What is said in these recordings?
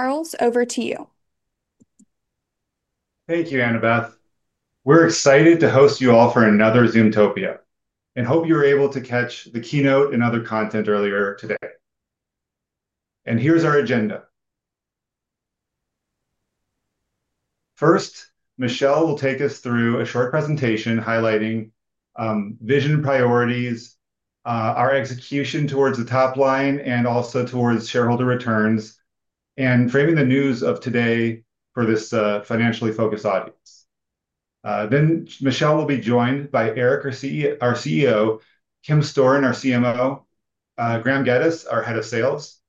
Charles, over to you. Thank you, Annabeth. We're excited to host you all for another Zoomtopia and hope you were able to catch the keynote and other content earlier today. Here's our agenda. First, Michelle will take us through a short presentation highlighting vision priorities, our execution towards the top line, and also towards shareholder returns, and framing the news of today for this financially focused audience. Michelle will be joined by Eric, our CEO, Kim Storin, our CMO, and Graeme Geddes, our Head of Sales.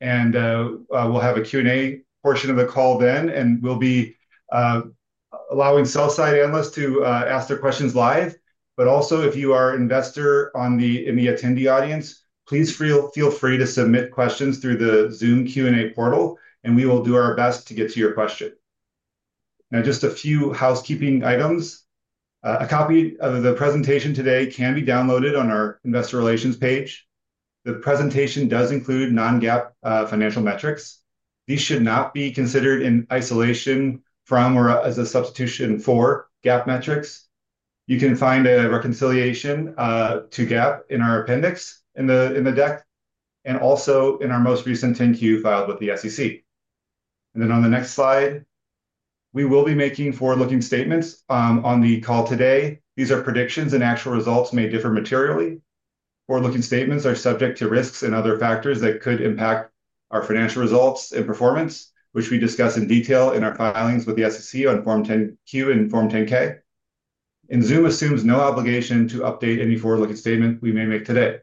We'll have a Q&A portion of the call then, and we'll be allowing sell-side analysts to ask their questions live. If you are an investor in the attendee audience, please feel free to submit questions through the Zoom Q&A portal, and we will do our best to get to your question. Now, just a few housekeeping items. A copy of the presentation today can be downloaded on our investor relations page. The presentation does include non-GAAP financial metrics. These should not be considered in isolation from or as a substitution for GAAP metrics. You can find a reconciliation to GAAP in our appendix in the deck and also in our most recent 10-Q filed with the SEC. On the next slide, we will be making forward-looking statements on the call today. These are predictions and actual results may differ materially. Forward-looking statements are subject to risks and other factors that could impact our financial results and performance, which we discuss in detail in our filings with the SEC on Form 10-Q and Form 10-K. Zoom assumes no obligation to update any forward-looking statement we may make today.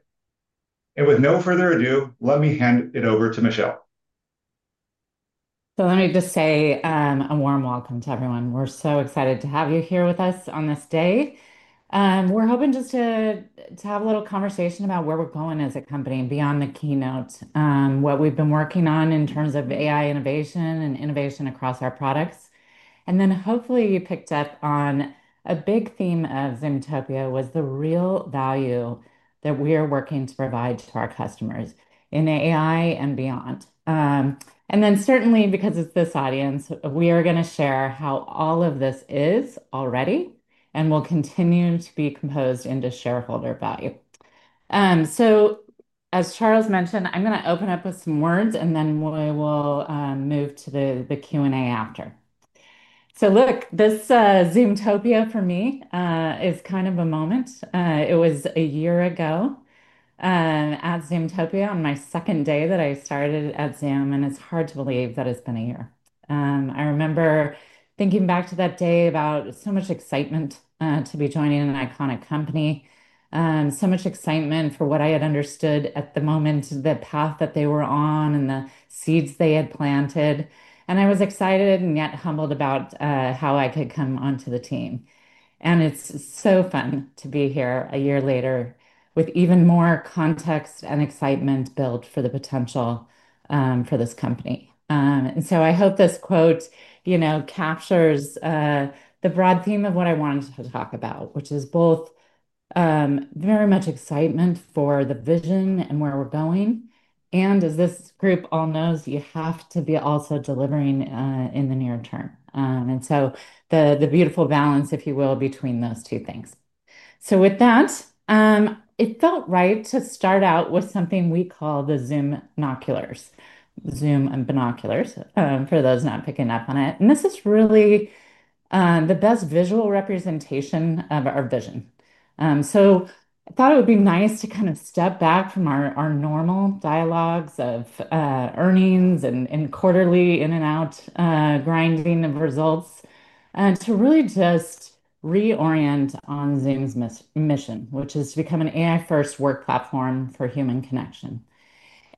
With no further ado, let me hand it over to Michelle. Let me just say a warm welcome to everyone. We're so excited to have you here with us on this day. We're hoping just to have a little conversation about where we're going as a company and beyond the keynote, what we've been working on in terms of AI innovation and innovation across our products. Hopefully you picked up on a big theme of Zoomtopia, which was the real value that we are working to provide to our customers in AI and beyond. Certainly because it's this audience, we are going to share how all of this is already and will continue to be composed into shareholder value. As Charles mentioned, I'm going to open up with some words and then we will move to the Q&A after. This Zoomtopia for me is kind of a moment. It was a year ago at Zoomtopia on my second day that I started at Zoom, and it's hard to believe that it's been a year. I remember thinking back to that day about so much excitement to be joining an iconic company, so much excitement for what I had understood at the moment, the path that they were on and the seeds they had planted. I was excited and yet humbled about how I could come onto the team. It's so fun to be here a year later with even more context and excitement built for the potential for this company. I hope this quote captures the broad theme of what I wanted to talk about, which is both very much excitement for the vision and where we're going. As this group all knows, you have to be also delivering in the near term. The beautiful balance, if you will, between those two things. With that, it felt right to start out with something we call the Zoomnoculars, Zoom and Binoculars, for those not picking up on it. This is really the best visual representation of our vision. I thought it would be nice to kind of step back from our normal dialogues of earnings and quarterly in and out grinding of results to really just reorient on Zoom's mission, which is to become an AI-first work platform for human connection.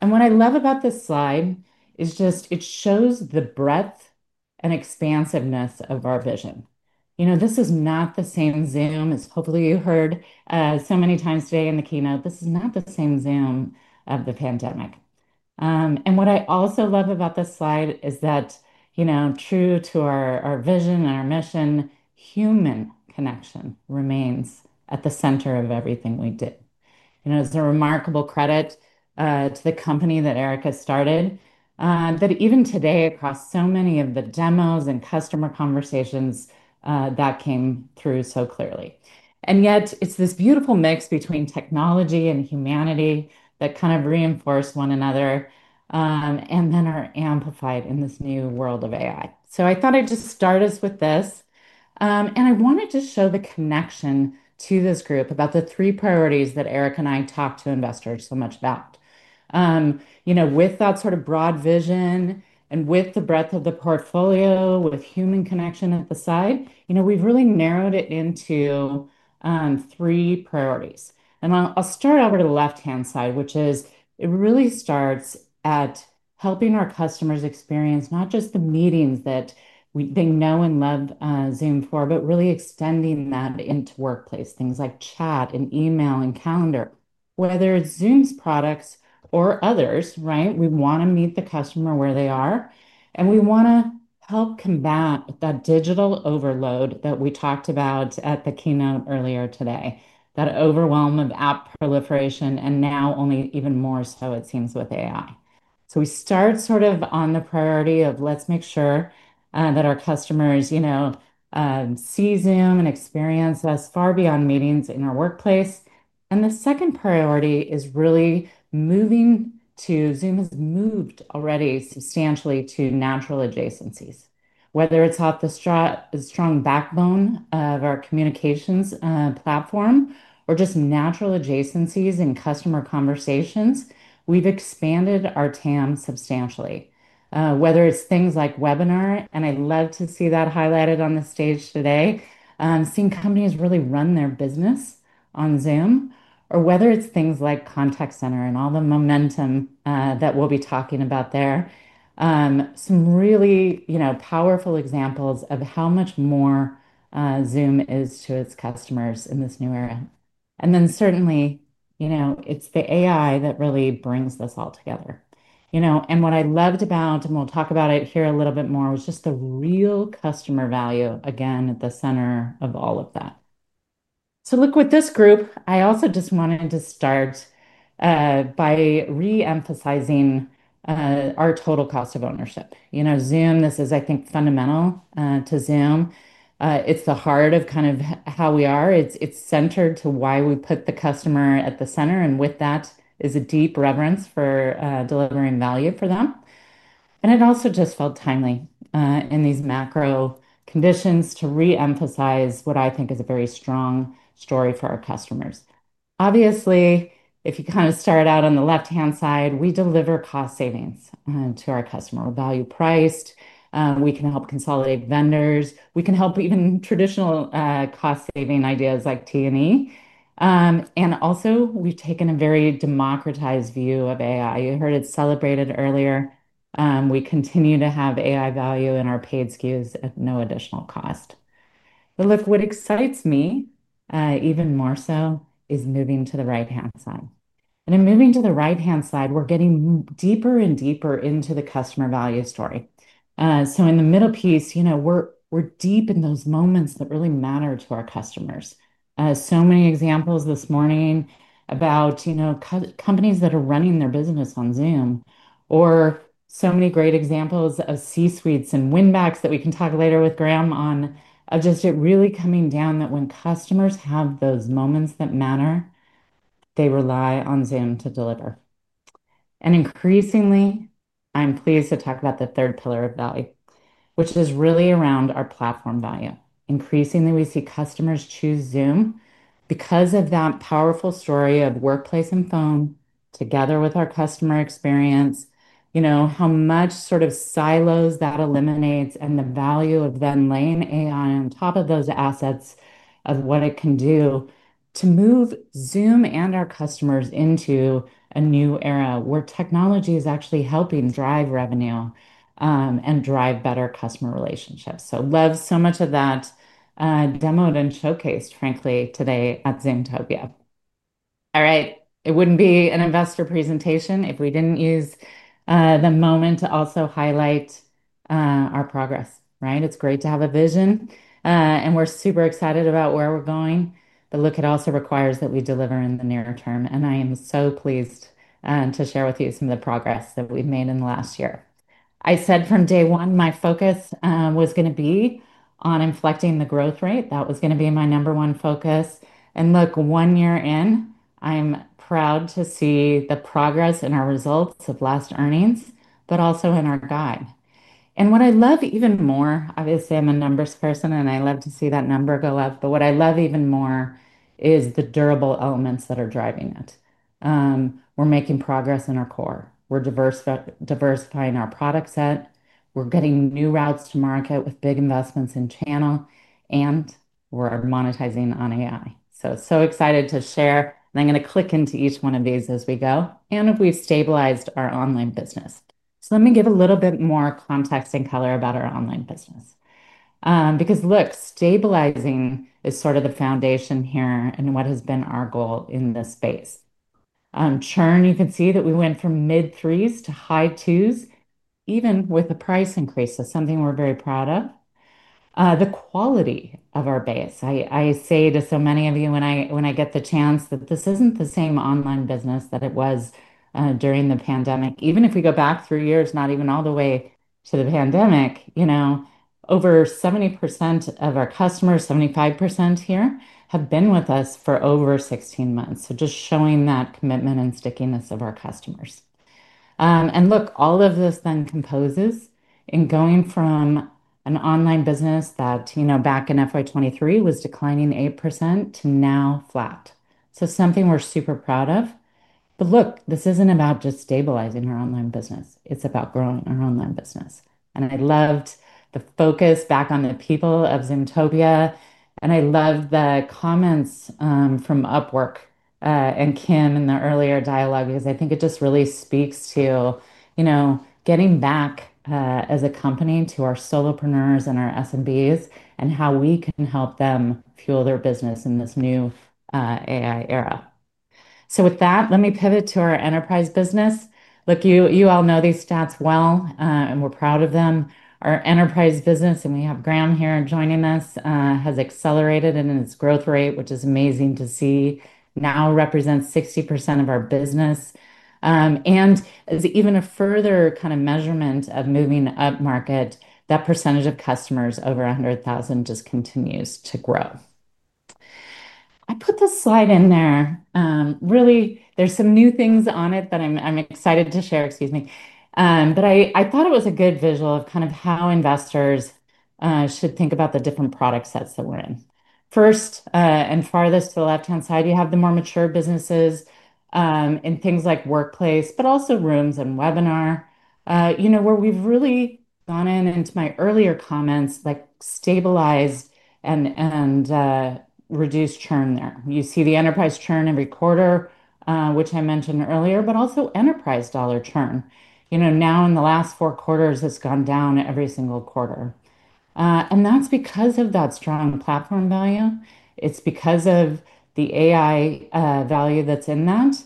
What I love about this slide is just it shows the breadth and expansiveness of our vision. This is not the same Zoom, as hopefully you heard so many times today in the keynote. This is not the same Zoom of the pandemic. What I also love about this slide is that, true to our vision and our mission, human connection remains at the center of everything we do. You know, it's a remarkable credit to the company that Eric has started, that even today across so many of the demos and customer conversations that came through so clearly. Yet it's this beautiful mix between technology and humanity that kind of reinforce one another and then are amplified in this new world of AI. I thought I'd just start us with this. I wanted to show the connection to this group about the three priorities that Eric and I talk to investors so much about. With that sort of broad vision and with the breadth of the portfolio with human connection at the side, we've really narrowed it into three priorities. I'll start over to the left-hand side, which is it really starts at helping our customers experience not just the meetings that they know and love Zoom for, but really extending that into workplace things like chat and email and calendar. Whether it's Zoom's products or others, we want to meet the customer where they are. We want to help combat that digital overload that we talked about at the keynote earlier today, that overwhelm of app proliferation and now only even more so it seems with AI. We start sort of on the priority of let's make sure that our customers see Zoom and experience us far beyond meetings in our workplace. The second priority is really moving to Zoom has moved already substantially to natural adjacencies. Whether it's a strong backbone of our communications platform or just natural adjacencies in customer conversations, we've expanded our TAM substantially. Whether it's things like webinar, and I'd love to see that highlighted on the stage today, seeing companies really run their business on Zoom, or whether it's things like Contact Center and all the momentum that we'll be talking about there, some really powerful examples of how much more Zoom is to its customers in this new era. Certainly, it's the AI that really brings this all together. What I loved about, and we'll talk about it here a little bit more, was just the real customer value again at the center of all of that. With this group, I also just wanted to start by reemphasizing our total cost of ownership. Zoom, this is I think fundamental to Zoom. It's the heart of kind of how we are. It's centered to why we put the customer at the center, and with that is a deep reverence for delivering value for them. It also just felt timely in these macro conditions to reemphasize what I think is a very strong story for our customers. Obviously, if you kind of start out on the left-hand side, we deliver cost savings to our customer. We're value-priced. We can help consolidate vendors. We can help even traditional cost-saving ideas like T&E. Also, we've taken a very democratized view of AI. You heard it celebrated earlier. We continue to have AI value in our paid SKUs at no additional cost. What excites me even more so is moving to the right-hand side. In moving to the right-hand side, we're getting deeper and deeper into the customer value story. In the middle piece, we're deep in those moments that really matter to our customers. So many examples this morning about companies that are running their business on Zoom or so many great examples of C-suites and winbacks that we can talk later with Graeme on of just it really coming down that when customers have those moments that matter, they rely on Zoom to deliver. Increasingly, I'm pleased to talk about the third pillar of value, which was really around our platform value. Increasingly, we see customers choose Zoom because of that powerful story of workplace and phone together with our customer experience. You know, how much sort of silos that eliminates and the value of then laying AI on top of those assets of what it can do to move Zoom and our customers into a new era where technology is actually helping drive revenue and drive better customer relationships. I love so much of that demoed and showcased, frankly, today at Zoomtopia. It wouldn't be an investor presentation if we didn't use the moment to also highlight our progress, right? It's great to have a vision, and we're super excited about where we're going. It also requires that we deliver in the nearer term. I am so pleased to share with you some of the progress that we've made in the last year. I said from day one, my focus was going to be on inflecting the growth rate. That was going to be my number one focus. One year in, I'm proud to see the progress in our results of last earnings, but also in our guide. What I love even more, obviously, I'm a numbers person, and I love to see that number go up. What I love even more is the durable elements that are driving it. We're making progress in our core. We're diversifying our product set. We're getting new routes to market with big investments in channel, and we're monetizing on AI. So excited to share. I'm going to click into each one of these as we go. We've stabilized our online business. Let me give a little bit more context and color about our online business, because stabilizing is sort of the foundation here and what has been our goal in this space. Churn, you can see that we went from mid-3% to high 2%, even with the price increases, something we're very proud of. The quality of our base, I say to so many of you when I get the chance that this isn't the same online business that it was during the pandemic. Even if we go back three years, not even all the way to the pandemic, over 70% of our customers, 75% here, have been with us for over 16 months. Just showing that commitment and stickiness of our customers. All of this then composes in going from an online business that, back in FY 2023, was declining 8% to now flat. Something we're super proud of. This isn't about just stabilizing our online business. It's about growing our online business. I loved the focus back on the people of Zoomtopia. I love the comments from Upwork and Kim in the earlier dialogue, because I think it just really speaks to getting back as a company to our solopreneurs and our SMBs and how we can help them fuel their business in this new AI era. With that, let me pivot to our enterprise business. You all know these stats well, and we're proud of them. Our enterprise business, and we have Graeme here joining us, has accelerated in its growth rate, which is amazing to see. Now represents 60% of our business. As even a further kind of measurement of moving up market, that percentage of customers over $100,000 just continues to grow. I put this slide in there. Really, there's some new things on it that I'm excited to share, excuse me. I thought it was a good visual of how investors should think about the different product sets that we're in. First, and farthest to the left-hand side, you have the more mature businesses in things like workplace, but also rooms and webinar, where we've really gone in, into my earlier comments, like stabilized and reduced churn there. You see the enterprise churn every quarter, which I mentioned earlier, but also enterprise dollar churn. Now in the last four quarters, it's gone down every single quarter. That's because of that strong platform value. It's because of the AI value that's in that.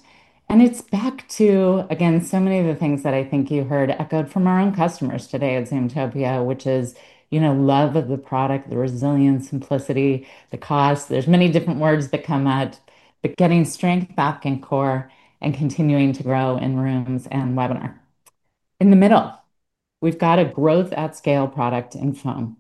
It's back to, again, so many of the things that I think you heard echoed from our own customers today at Zoomtopia, which is, you know, love of the product, the resilience, simplicity, the cost. There are many different words that come at it, but getting strength back in core and continuing to grow in Rooms and Webinar. In the middle, we've got a growth at scale product in Phone.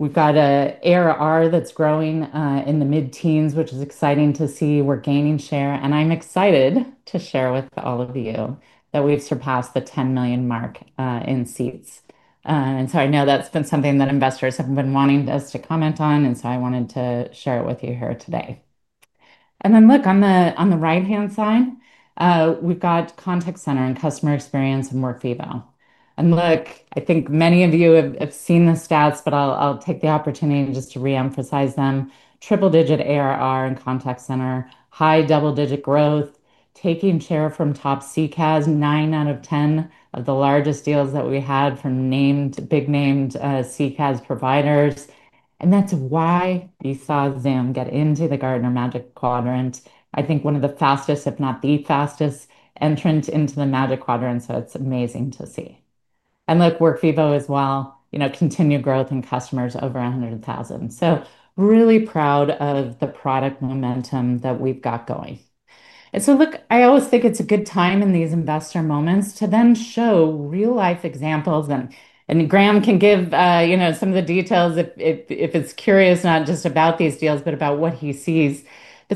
We've got an ARR that's growing in the mid-teens, which is exciting to see. We're gaining share, and I'm excited to share with all of you that we've surpassed the 10 million mark in seats. I know that's been something that investors have been wanting us to comment on, and I wanted to share it with you here today. On the right-hand side, we've got Contact Center and customer experience and Workvivo. I think many of you have seen the stats, but I'll take the opportunity just to reemphasize them. Triple-digit ARR in Contact Center, high double-digit growth, taking share from top CCaaS, nine out of ten of the largest deals that we had from big named CCaaS providers. That's why we saw Zoom get into the Gartner Magic Quadrant. I think one of the fastest, if not the fastest, entrants into the Magic Quadrant, so it's amazing to see. Workvivo as well, you know, continued growth in customers over $100,000. Really proud of the product momentum that we've got going. I always think it's a good time in these investor moments to then show real-life examples. Graeme can give, you know, some of the details if it's curious, not just about these deals, but about what he sees.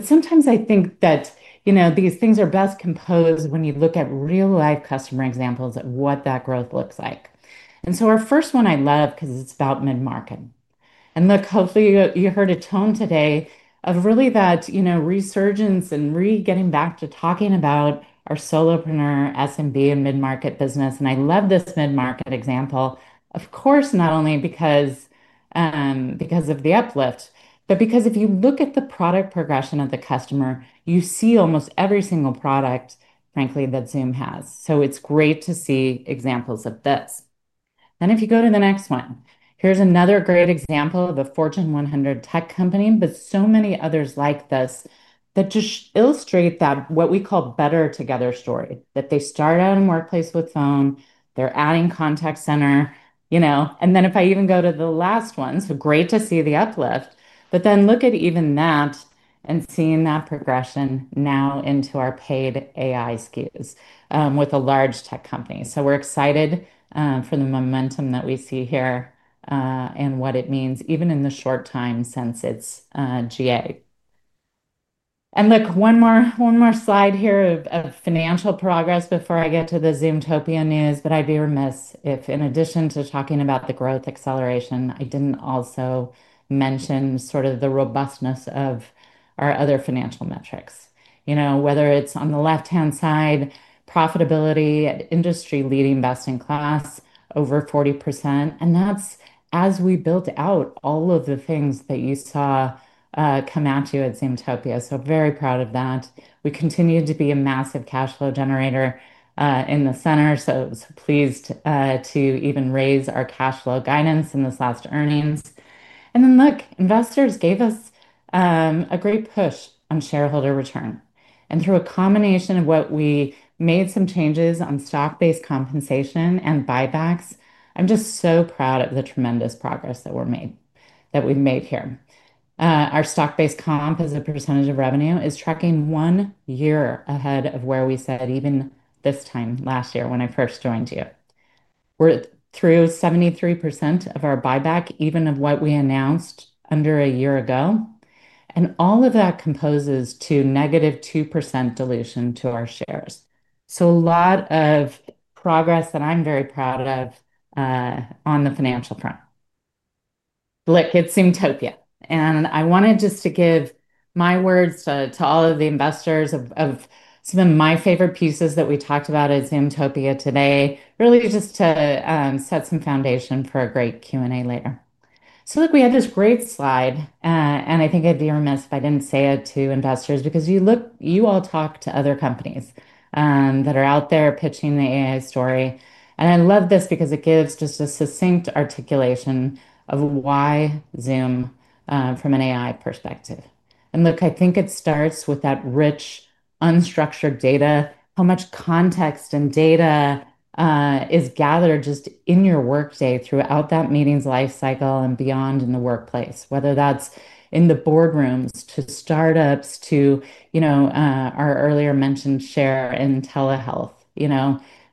Sometimes I think that these things are best composed when you look at real-life customer examples at what that growth looks like. Our first one I love because it's about mid-market. Hopefully you heard a tone today of really that resurgence and getting back to talking about our solopreneur SMB and mid-market business. I love this mid-market example, of course, not only because of the uplift, but because if you look at the product progression of the customer, you see almost every single product, frankly, that Zoom has. It's great to see examples of this. If you go to the next one, here's another great example of a Fortune 100 tech company, but so many others like this, that just illustrate what we call better-together story, that they start out in workplace with phone, they're adding Contact Center, you know, and if I even go to the last one, great to see the uplift, but then look at even that and seeing that progression now into our paid AI SKUs with a large tech company. We're excited for the momentum that we see here and what it means, even in the short time since its GA. One more slide here of financial progress before I get to the Zoomtopia news. I'd be remiss if in addition to talking about the growth acceleration, I didn't also mention the robustness of our other financial metrics. Whether it's on the left-hand side, profitability at industry-leading best-in-class, over 40%. That's as we built out all of the things that you saw come at you at Zoomtopia. Very proud of that. We continue to be a massive cash flow generator in the center. Pleased to even raise our cash flow guidance in this last earnings. Investors gave us a great push on shareholder return. Through a combination of what we made some changes on stock-based compensation and buybacks, I'm just so proud of the tremendous progress that we've made here. Our stock-based comp as a percentage of revenue is tracking one year ahead of where we said even this time last year when I first joined you. We're through 73% of our buyback, even of what we announced under a year ago. All of that composes to -2% dilution to our shares. A lot of progress that I'm very proud of on the financial front. It's Zoomtopia. I wanted just to give my words to all of the investors of some of my favorite pieces that we talked about at Zoomtopia today, really just to set some foundation for a great Q&A later. We had this great slide, and I think I'd be remiss if I didn't say it to investors because you look, you all talk to other companies that are out there pitching the AI story. I love this because it gives just a succinct articulation of why Zoom from an AI perspective. I think it starts with that rich, unstructured data, how much context and data is gathered just in your workday throughout that meeting's lifecycle and beyond in the workplace, whether that's in the boardrooms to startups to our earlier mentioned share in telehealth,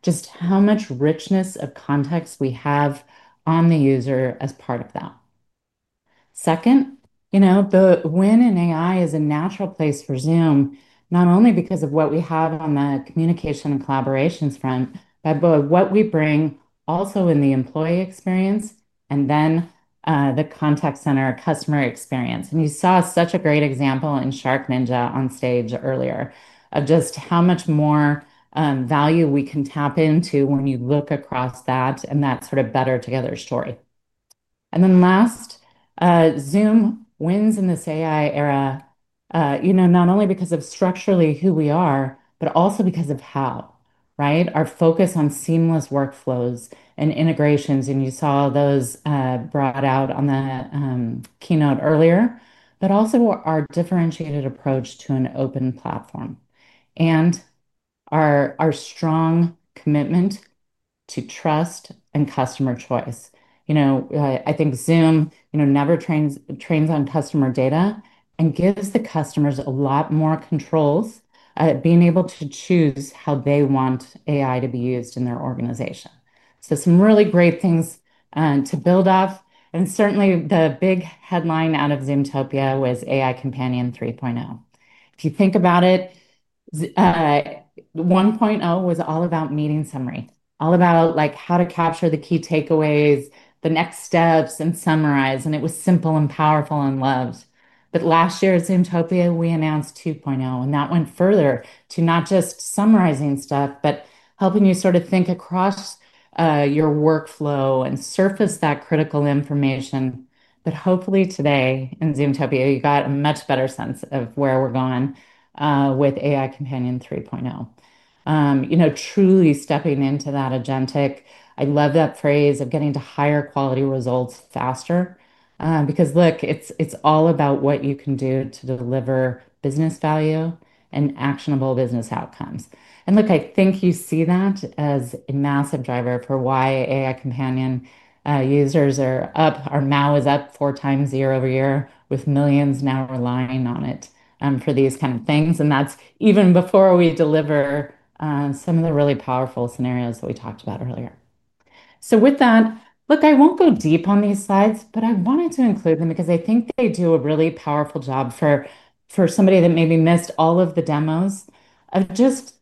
just how much richness of context we have on the user as part of that. Second, when an AI is a natural place for Zoom, not only because of what we have on the communication and collaborations front, but what we bring also in the employee experience and then the Contact Center customer experience. You saw such a great example in SharkNinja on stage earlier of just how much more value we can tap into when you look across that and that sort of better-together story. Last, Zoom wins in this AI era, not only because of structurally who we are, but also because of how, right? Our focus on seamless workflows and integrations, and you saw those brought out on the keynote earlier, but also our differentiated approach to an open platform and our strong commitment to trust and customer choice. I think Zoom never trains on customer data and gives the customers a lot more controls at being able to choose how they want AI to be used in their organization. Some really great things to build off. Certainly the big headline out of Zoomtopia was AI Companion 3.0. If you think about it, 1.0 was all about meeting summary, all about how to capture the key takeaways, the next steps, and summarize. It was simple and powerful and loved. Last year at Zoomtopia, we announced 2.0, and that went further to not just summarizing stuff, but helping you think across your workflow and surface that critical information. Hopefully today in Zoomtopia, you got a much better sense of where we're going with AI Companion 3.0. Truly stepping into that agentic, I love that phrase of getting to higher quality results faster. It is all about what you can do to deliver business value and actionable business outcomes. I think you see that as a massive driver for why AI Companion users are up, or now is up four times year over year with millions now relying on it for these kind of things. That's even before we deliver some of the really powerful scenarios that we talked about earlier. With that, look, I won't go deep on these slides, but I wanted to include them because I think they do a really powerful job for somebody that maybe missed all of the demos of just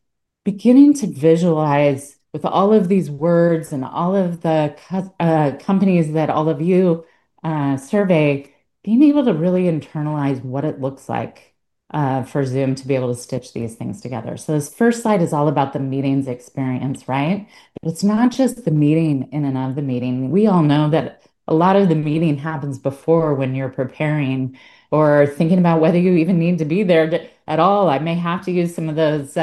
beginning to visualize with all of these words and all of the companies that all of you survey, being able to really internalize what it looks like for Zoom to be able to stitch these things together. This first slide is all about the meetings experience, right? It's not just the meeting in and of the meeting. We all know that a lot of the meeting happens before when you're preparing or thinking about whether you even need to be there at all. I may have to use some of those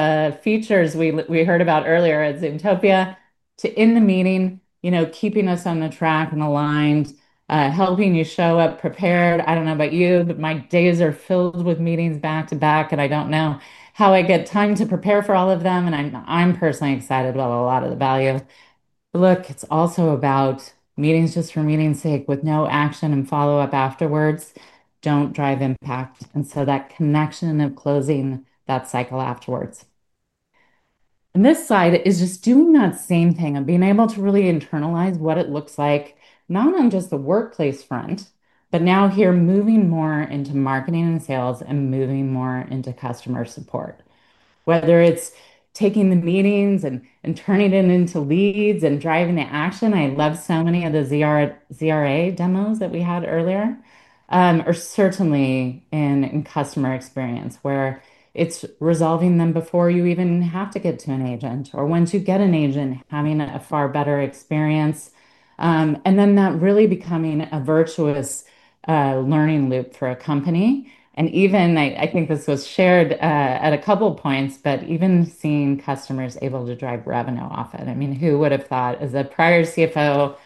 features we heard about earlier at Zoomtopia to end the meeting, you know, keeping us on the track and aligned, helping you show up prepared. I don't know about you, but my days are filled with meetings back to back, and I don't know how I get time to prepare for all of them. I'm personally excited about a lot of the value. It's also about meetings just for meeting's sake with no action and follow-up afterwards don't drive impact. That connection of closing that cycle afterwards. This slide is just doing that same thing of being able to really internalize what it looks like not on just the workplace front, but now here moving more into marketing and sales and moving more into customer support. Whether it's taking the meetings and turning it into leads and driving the action, I love so many of the ZRA demos that we had earlier, or certainly in customer experience where it's resolving them before you even have to get to an agent, or once you get an agent, having a far better experience. That really becoming a virtuous learning loop for a company. I think this was shared at a couple points, but even seeing customers able to drive revenue off it. Who would have thought as a prior CFO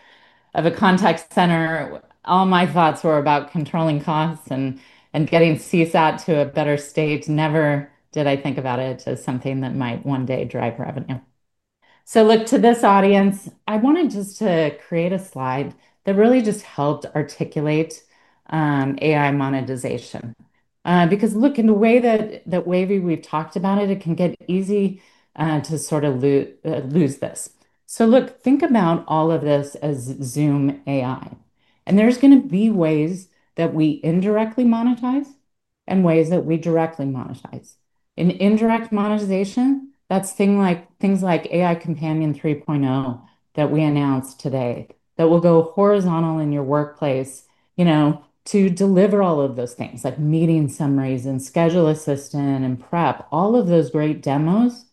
of a contact center, all my thoughts were about controlling costs and getting CSAT to a better state. Never did I think about it as something that might one day drive revenue. To this audience, I wanted just to create a slide that really just helped articulate AI monetization. In the way that we've talked about it, it can get easy to sort of lose this. Think about all of this as Zoom AI. There's going to be ways that we indirectly monetize and ways that we directly monetize. In indirect monetization, that's things like AI Companion 3.0 that we announced today that will go horizontal in your workplace to deliver all of those things like meeting summaries and schedule assistant and prep, all of those great demos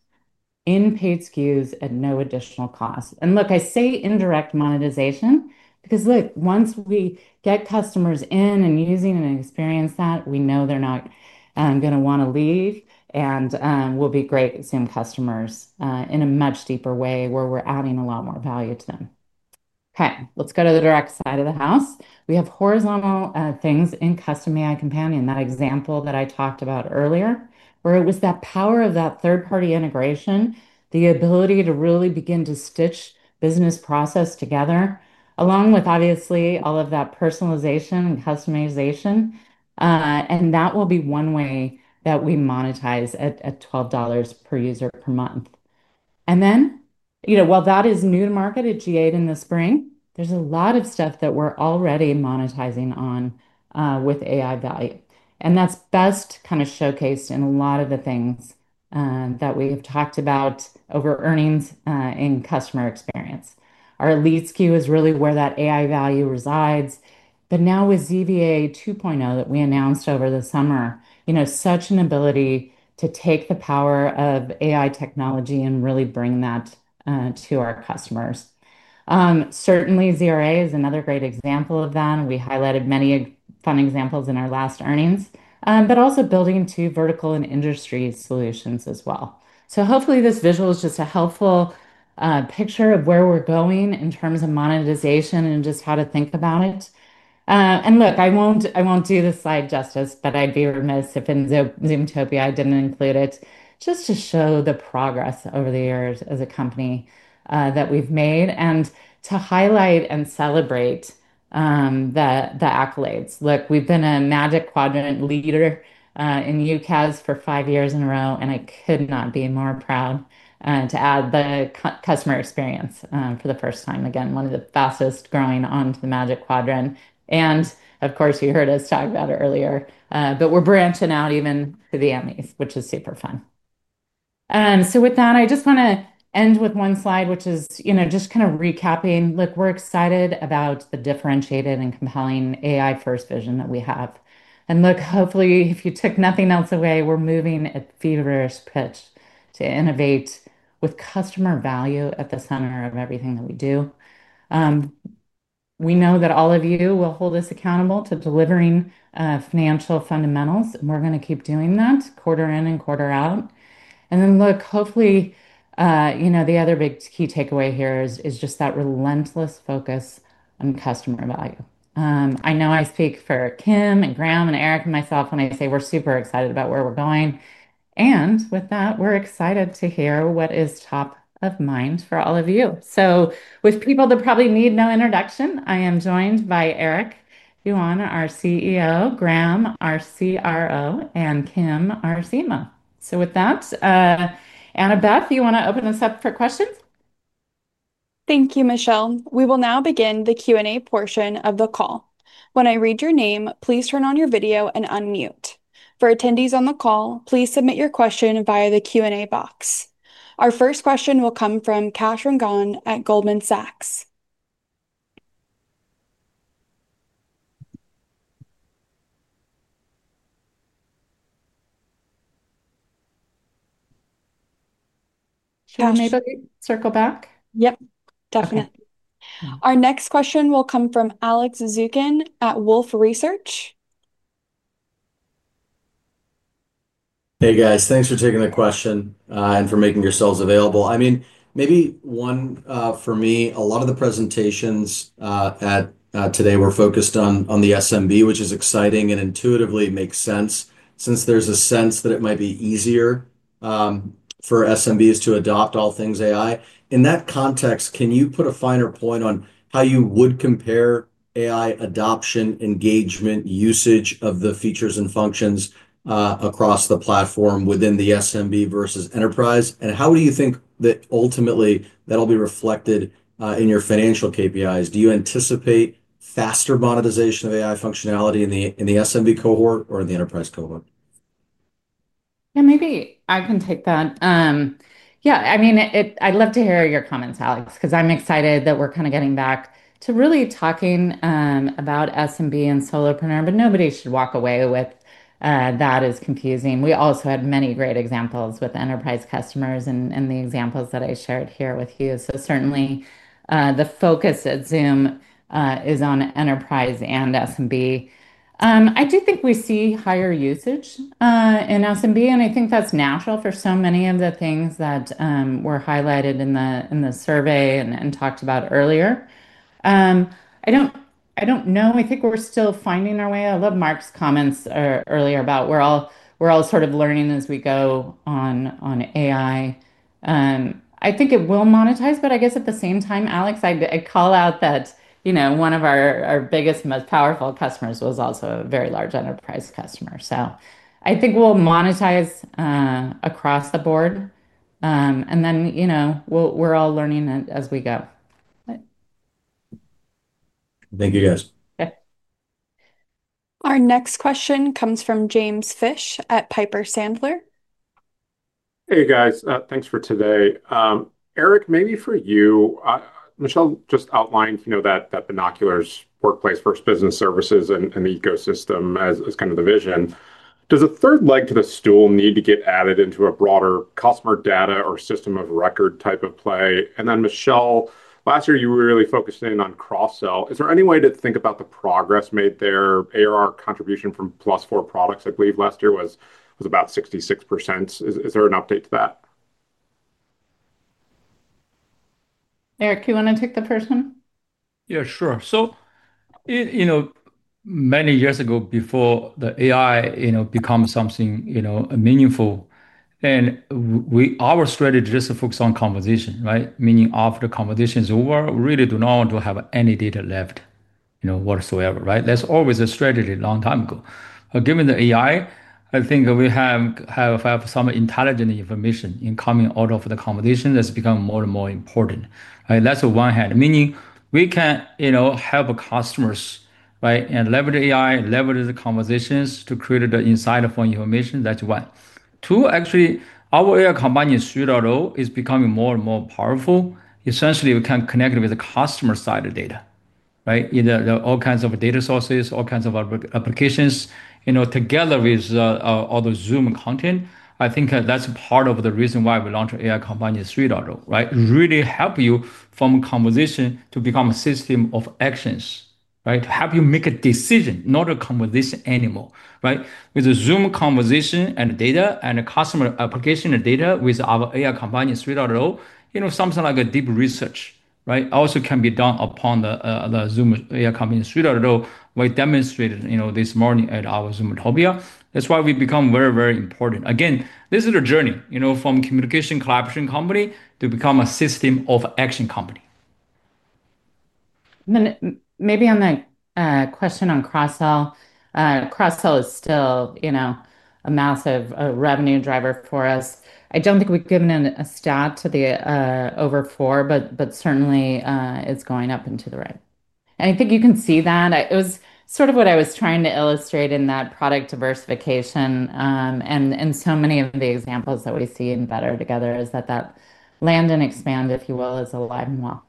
in paid SKUs at no additional cost. I say indirect monetization because once we get customers in and using and experience that, we know they're not going to want to leave and will be great Zoom customers in a much deeper way where we're adding a lot more value to them. Let's go to the direct side of the house. We have horizontal things in Custom AI Companion, that example that I talked about earlier, where it was that power of that third-party integration, the ability to really begin to stitch business process together, along with obviously all of that personalization and customization. That will be one way that we monetize at $12 per user per month. While that is new to market at GA in the spring, there's a lot of stuff that we're already monetizing on with AI value. That's best kind of showcased in a lot of the things that we have talked about over earnings in customer experience. Our lead SKU is really where that AI value resides. Now with ZVA 2.0 that we announced over the summer, such an ability to take the power of AI technology and really bring that to our customers. Certainly, ZRA is another great example of that. We highlighted many fun examples in our last earnings, but also building to vertical and industry solutions as well. Hopefully this visual is just a helpful picture of where we're going in terms of monetization and just how to think about it. I won't do this slide justice, but I'd be remiss if in Zoomtopia I didn't include it just to show the progress over the years as a company that we've made and to highlight and celebrate the accolades. We've been a Magic Quadrant leader in UCAS for five years in a row, and I could not be more proud to add the customer experience for the first time. Again, one of the fastest growing onto the Magic Quadrant. You heard us talk about it earlier, but we're branching out even to the Emmys, which is super fun. With that, I just want to end with one slide, which is just kind of recapping. We're excited about the differentiated and compelling AI-first vision that we have. Hopefully, if you took nothing else away, we're moving at feverish pitch to innovate with customer value at the center of everything that we do. We know that all of you will hold us accountable to delivering financial fundamentals, and we're going to keep doing that quarter in and quarter out. Hopefully, the other big key takeaway here is just that relentless focus on customer value. I know I speak for Kim, Graeme, Eric, and myself when I say we're super excited about where we're going. With that, we're excited to hear what is top of mind for all of you. With people that probably need no introduction, I am joined by Eric Yuan, our CEO, Graeme, our CRO, and Kim, our CMO. Annabeth, you want to open this up for questions? Thank you, Michelle. We will now begin the Q&A portion of the call. When I read your name, please turn on your video and unmute. For attendees on the call, please submit your question via the Q&A box. Our first question will come from Kash Rangan Goldman Sachs. Can I circle back? Yep. Definitely. Our next question will come from Alex Zukin at Wolfe Research. Hey guys, thanks for taking the question and for making yourselves available. Maybe one for me, a lot of the presentations today were focused on the SMB, which is exciting and intuitively makes sense since there's a sense that it might be easier for SMBs to adopt all things AI. In that context, can you put a finer point on how you would compare AI adoption, engagement, usage of the features and functions across the platform within the SMB versus enterprise? How do you think that ultimately that'll be reflected in your financial KPIs? Do you anticipate faster monetization of AI functionality in the SMB cohort or in the enterprise cohort? Yeah, maybe I can take that. I mean, I'd love to hear your comments, Alex, because I'm excited that we're kind of getting back to really talking about SMB and solopreneur, but nobody should walk away with that as confusing. We also had many great examples with enterprise customers and the examples that I shared here with you. Certainly the focus at Zoom is on enterprise and SMB. I do think we see higher usage in SMB, and I think that's natural for so many of the things that were highlighted in the survey and talked about earlier. I don't know, I think we're still finding our way. I love Mark's comments earlier about we're all sort of learning as we go on AI. I think it will monetize, but I guess at the same time, Alex, I'd call out that one of our biggest, most powerful customers was also a very large enterprise customer. I think we'll monetize across the board. We're all learning as we go. Thank you, guys. Our next question comes from James Fish at Piper Sandler. Hey guys, thanks for today. Eric, maybe for you, Michelle just outlined, you know, that Binoculars, first business services, and the ecosystem as kind of the vision. Does a third leg to the stool need to get added into a broader customer data or system of record type of play? Michelle, last year you really focused in on cross-sell. Is there any way to think about the progress made there? ARR contribution from plus four products, I believe last year was about 66%. Is there an update to that? Eric, you want to take the first one? Yeah, sure. Many years ago before AI becomes something meaningful, our strategy is just to focus on composition, right? Meaning after the composition is over, we really do not want to have any data left whatsoever, right? That's always a strategy a long time ago. Given AI, I think we have some intelligent information coming out of the composition that's becoming more and more important. That's the one hand. Meaning we can have customers, right, and leverage AI, leverage the compositions to create the insightful information. That's one. Two, actually, our AI Companion in general is becoming more and more powerful. Essentially, we can connect with the customer side of data, right, either all kinds of data sources, all kinds of applications, together with all the Zoom content. I think that's part of the reason why we launched AI Companion in general, right? Really help you from a composition to become a system of actions, right, to help you make a decision, not a composition anymore, right? With the Zoom composition and the data and the customer application and data with our AI Companion in general, something like a deep research also can be done upon the Zoom AI Companion in general. We demonstrated this morning at our Zoomtopia. That's why we've become very, very important. Again, this is a journey from a communication collaboration company to become a system of action company. On that question on cross-sell, cross-sell is still, you know, a massive revenue driver for us. I don't think we've given a stat to the over four, but certainly it's going up and to the right. I think you can see that. It was sort of what I was trying to illustrate in that product diversification, and so many of the examples that we see in BetterTogether is that that land and expand, if you will, is alive and well.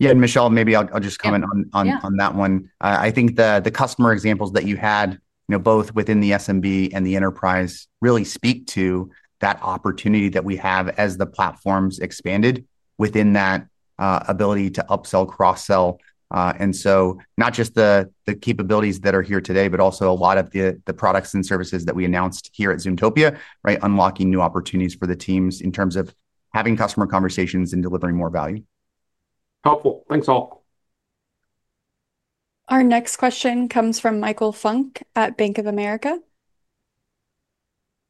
Yeah, Michelle, maybe I'll just comment on that one. I think the customer examples that you had, you know, both within the SMB and the enterprise really speak to that opportunity that we have as the platform's expanded within that ability to upsell, cross-sell. Not just the capabilities that are here today, but also a lot of the products and services that we announced here at Zoomtopia, right, unlocking new opportunities for the teams in terms of having customer conversations and delivering more value. Helpful. Thanks all. Our next question comes from Michael Funk at Bank of America.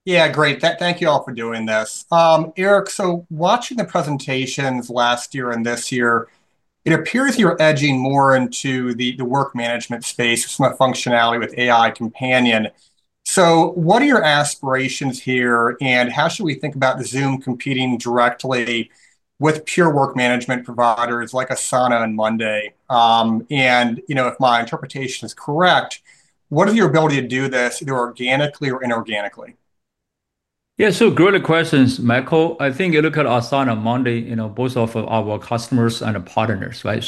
Yeah, great. Thank you all for doing this. Eric, watching the presentations last year and this year, it appears you're edging more into the work management space with some of the functionality with AI Companion. What are your aspirations here and how should we think about Zoom competing directly with pure work management providers like Asana and Monday? If my interpretation is correct, what is your ability to do this either organically or inorganically? Yeah. Great questions, Michael. I think you look at Asana and Monday, both of our customers and partners, right?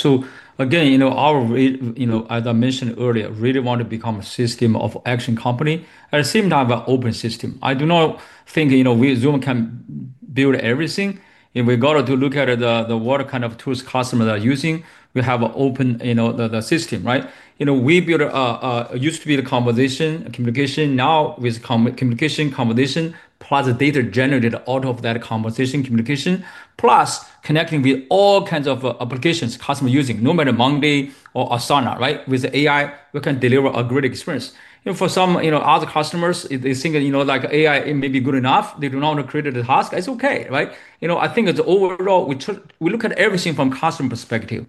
Again, as I mentioned earlier, really want to become a system of action company. At the same time, an open system. I do not think we, Zoom, can build everything. If we go to look at what kind of tools customers are using, we have an open system, right? We built a used-to-be conversation communication, now with communication conversation plus data generated out of that conversation communication, plus connecting with all kinds of applications customers are using, no matter Monday or Asana, right? With AI, we can deliver a great experience. For some other customers, they think AI may be good enough. They do not want to create a task. It's okay, right? I think overall, we look at everything from a customer perspective.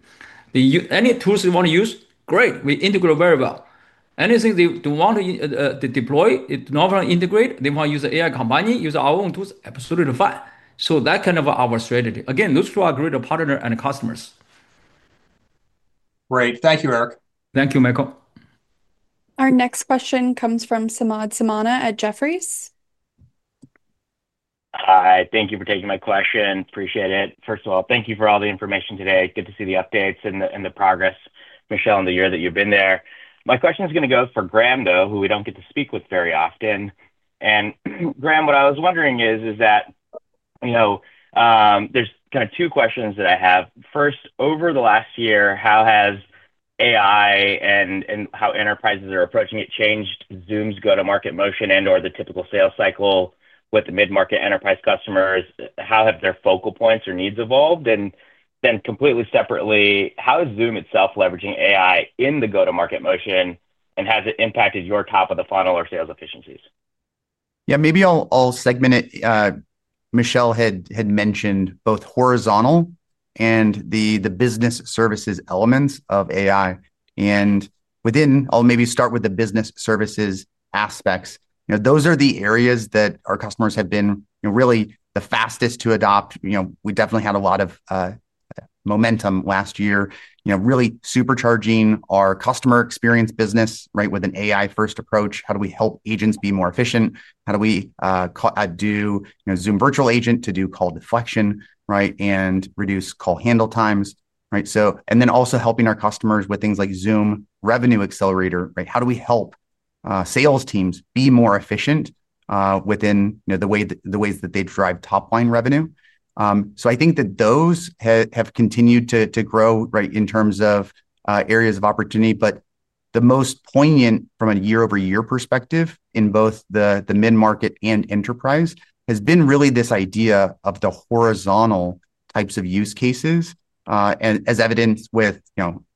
Any tools you want to use, great. We integrate very well. Anything they want to deploy, it's not going to integrate. They want to use the AI Companion, use our own tools, absolutely fine. That's kind of our strategy. Again, look for a greater partner and customers. Great. Thank you, Eric. Thank you, Michael. Our next question comes from Samad Samana at Jefferies. Hi, thank you for taking my question. Appreciate it. First of all, thank you for all the information today. Good to see the updates and the progress, Michelle, in the year that you've been there. My question is going to go for Graeme, though, who we don't get to speak with very often. Graeme, what I was wondering is that, you know, there's kind of two questions that I have. First, over the last year, how has AI and how enterprises are approaching it changed Zoom's go-to-market motion and/or the typical sales cycle with the mid-market enterprise customers? How have their focal points or needs evolved? Completely separately, how is Zoom itself leveraging AI in the go-to-market motion? Has it impacted your top of the funnel or sales efficiencies? Maybe I'll segment it. Michelle had mentioned both horizontal and the business services elements of AI. Within, I'll maybe start with the business services aspects. Those are the areas that our customers have been really the fastest to adopt. We definitely had a lot of momentum last year, really supercharging our customer experience business with an AI-first approach. How do we help agents be more efficient? How do we do Zoom Virtual Agent to do call deflection and reduce call handle times? Also helping our customers with things like Zoom Revenue Accelerator. How do we help sales teams be more efficient within the ways that they drive top-line revenue? I think that those have continued to grow in terms of areas of opportunity. The most poignant from a year-over-year perspective in both the mid-market and enterprise has been really this idea of the horizontal types of use cases, as evidenced with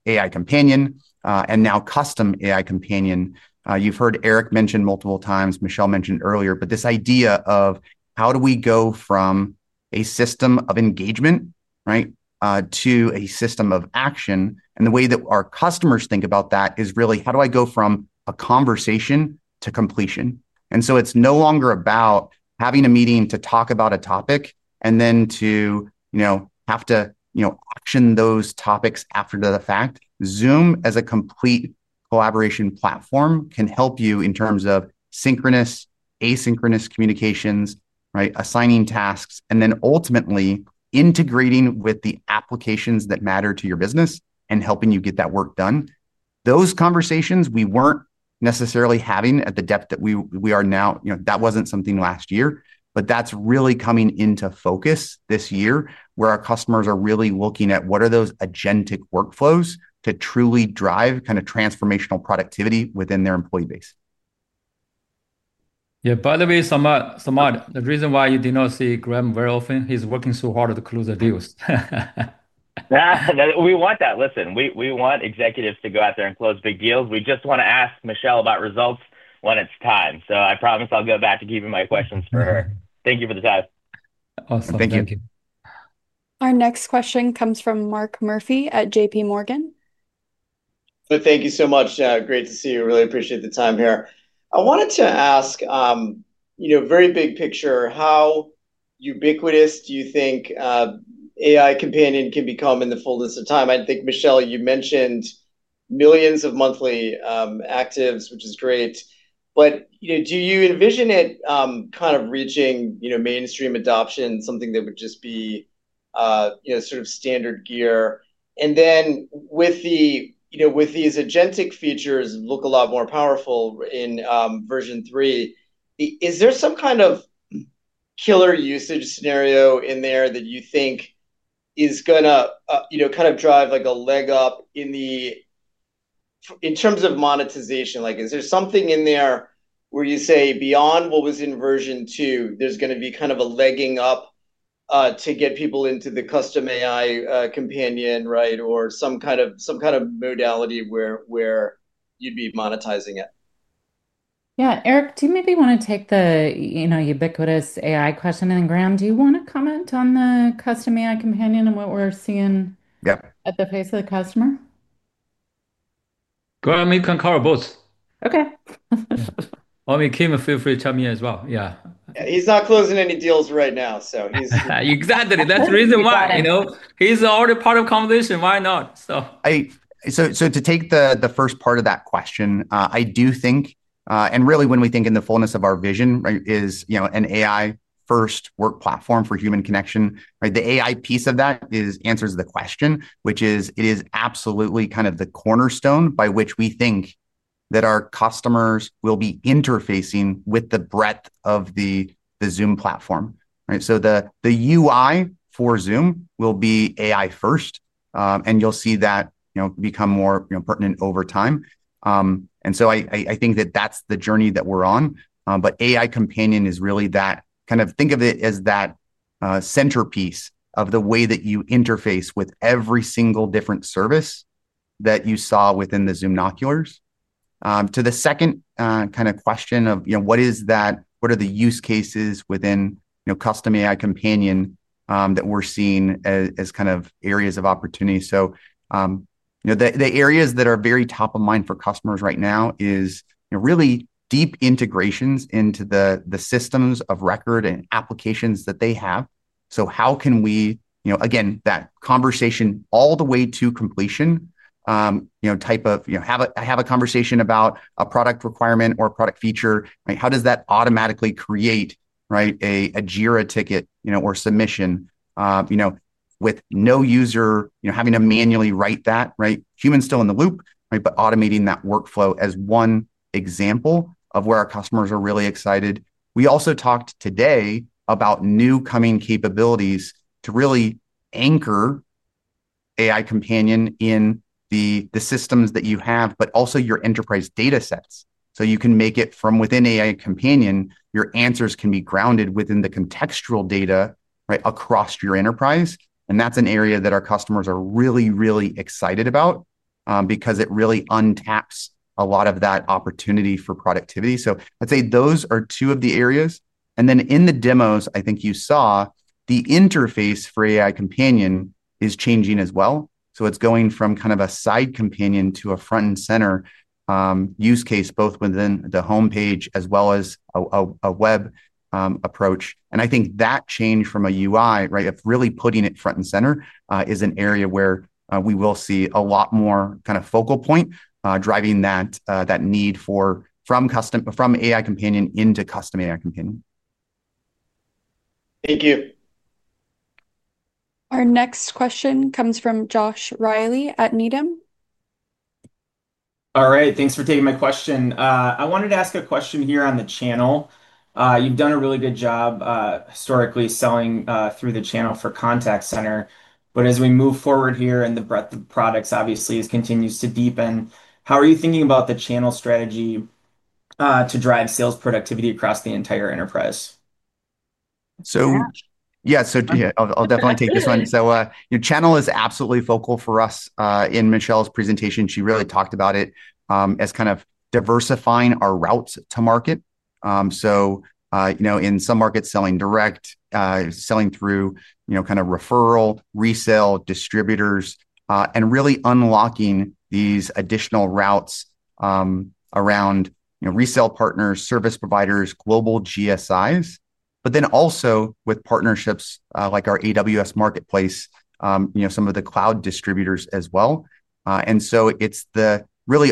AI Companion and now Custom AI Companion. You've heard Eric mention multiple times, Michelle mentioned earlier, this idea of how do we go from a system of engagement to a system of action. The way that our customers think about that is really how do I go from a conversation to completion. It's no longer about having a meeting to talk about a topic and then to have to action those topics after the fact. Zoom as a complete collaboration platform can help you in terms of synchronous, asynchronous communications, assigning tasks, and ultimately integrating with the applications that matter to your business and helping you get that work done. Those conversations we weren't necessarily having at the depth that we are now, that wasn't something last year, but that's really coming into focus this year where our customers are really looking at what are those agentic workflows to truly drive kind of transformational productivity within their employee base. Yeah, by the way, Samad, the reason why you do not see Graeme very often is he's working so hard to close the deals. Yeah, we want that. Listen, we want executives to go out there and close big deals. We just want to ask Michelle about results when it's time. I promise I'll go back to keeping my questions for her. Thank you for the time. Awesome. Thank you. Our next question comes from Mark Murphy at JPMorgan. Thank you so much. Great to see you. Really appreciate the time here. I wanted to ask, you know, very big picture, how ubiquitous do you think AI Companion can become in the fullness of time? I think, Michelle, you mentioned millions of monthly actives, which is great. Do you envision it kind of reaching, you know, mainstream adoption, something that would just be, you know, sort of standard gear? With these agentic features looking a lot more powerful in version three, is there some kind of killer usage scenario in there that you think is going to, you know, kind of drive like a leg up in terms of monetization? Is there something in there where you say beyond what was in version two, there's going to be kind of a legging up to get people into the Custom AI Companion, right? Or some kind of modality where you'd be monetizing it? Yeah, Eric, do you maybe want to take the, you know, ubiquitous AI question? Graeme, do you want to comment on the Custom AI Companion and what we're seeing at the face of the customer? I mean, you can cover both. Okay. I mean, Kim, feel free to chime in as well. Yeah. He's not closing any deals right now, so he's. Exactly. That's the reason why he's already part of the conversation. Why not? To take the first part of that question, I do think, and really when we think in the fullness of our vision, is an AI-first work platform for human connection. The AI piece of that answers the question, which is it is absolutely kind of the cornerstone by which we think that our customers will be interfacing with the breadth of the Zoom platform. The UI for Zoom will be AI-first, and you'll see that become more pertinent over time. I think that that's the journey that we're on. AI Companion is really that centerpiece of the way that you interface with every single different service that you saw within the Zoom Noculars. To the second question of what are the use cases within Custom AI Companion that we're seeing as areas of opportunity, the areas that are very top of mind for customers right now is really deep integrations into the systems of record and applications that they have. How can we, again, that conversation all the way to completion, type of, have a conversation about a product requirement or a product feature, right? How does that automatically create a Jira ticket or submission with no user having to manually write that? Human still in the loop, but automating that workflow as one example of where our customers are really excited. We also talked today about new coming capabilities to really anchor AI Companion in the systems that you have, but also your enterprise data sets. You can make it from within AI Companion, your answers can be grounded within the contextual data across your enterprise. That's an area that our customers are really, really excited about because it really untaps a lot of that opportunity for productivity. I'd say those are two of the areas. In the demos, I think you saw the interface for AI Companion is changing as well. It's going from kind of a side companion to a front and center use case, both within the homepage as well as a web approach. I think that change from a UI of really putting it front and center is an area where we will see a lot more focal point driving that need for from AI Companion into Custom AI Companion. Thank you. Our next question comes from Josh Reilly at Needham. All right, thanks for taking my question. I wanted to ask a question here on the channel. You've done a really good job historically selling through the channel forContact Center. As we move forward here and the breadth of products obviously continues to deepen, how are you thinking about the channel strategy to drive sales productivity across the entire enterprise? I'll definitely take this one. Your channel is absolutely focal for us. In Michelle's presentation, she really talked about it as kind of diversifying our routes to market. In some markets, selling direct, selling through referral, resale, distributors, and really unlocking these additional routes around resale partners, service providers, global GSIs, but then also with partnerships like our AWS Marketplace, some of the cloud distributors as well.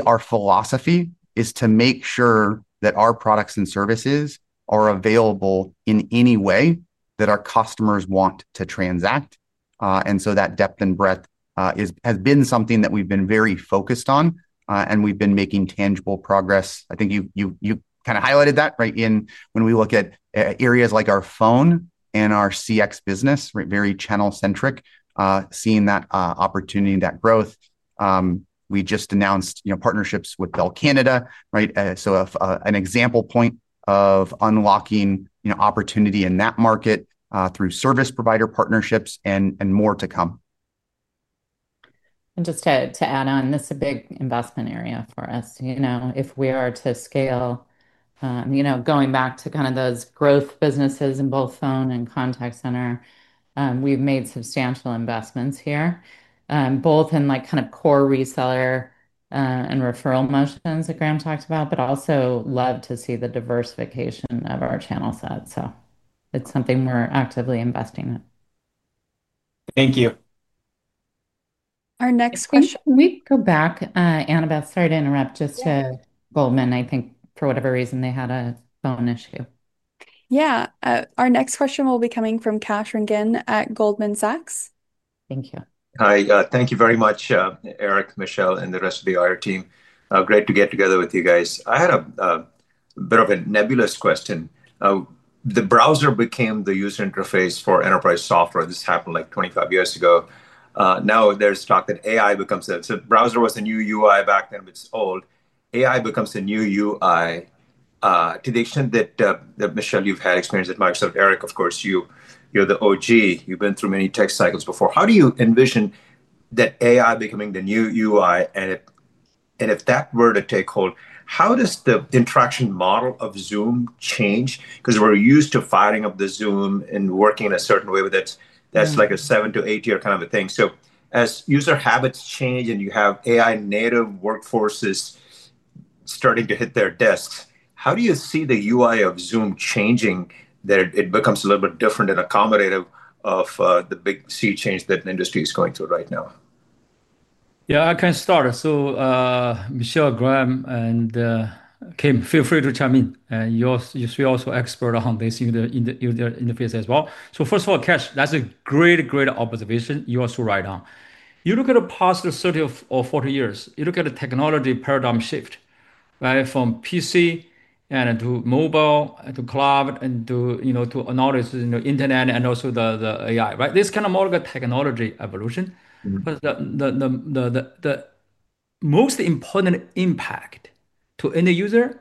Our philosophy is to make sure that our products and services are available in any way that our customers want to transact. That depth and breadth has been something that we've been very focused on, and we've been making tangible progress. I think you kind of highlighted that, right, when we look at areas like our phone and our CX business, very channel-centric, seeing that opportunity, that growth. We just announced partnerships with Bell Canada, right? An example point of unlocking opportunity in that market through service provider partnerships and more to come. This is a big investment area for us. If we are to scale, going back to kind of those growth businesses in both phone and contact center, we've made substantial investments here, both in core reseller and referral motions that Graeme talked about, but also love to see the diversification of our channel set. It's something we're actively investing in. Thank you. Can we go back? Annabeth, sorry to interrupt, just to Goldman. I think for whatever reason they had a phone issue. Our next question will be coming from Kash Rangan at Goldman Sachs. Thank you. Hi, thank you very much, Eric, Michelle, and the rest of the IR team. Great to get together with you guys. I had a bit of a nebulous question. The browser became the user interface for enterprise software. This happened like 25 years ago. Now there's talk that AI becomes the browser, was a new UI back then, but it's old. AI becomes a new UI to the extent that Michelle, you've had experience at Microsoft. Eric, of course, you're the OG. You've been through many tech cycles before. How do you envision that AI becoming the new UI? If that were to take hold, how does the interaction model of Zoom change? We're used to firing up the Zoom and working in a certain way with it. That's like a seven to eight-year kind of a thing. As user habits change and you have AI-native workforces starting to hit their desks, how do you see the UI of Zoom changing that it becomes a little bit different and accommodative of the big C change that the industry is going through right now? Yeah. I can start. Michelle, Graeme, and Kim, feel free to chime in. You're also an expert on this user interface as well. First of all, Kash, that's a great, great observation you also write on. You look at the past 30 years or 40 years, you look at the technology paradigm shift, right, from PC and to mobile and to cloud and to, you know, to another internet and also the AI, right? This is kind of more like a technology evolution. The most important impact to end user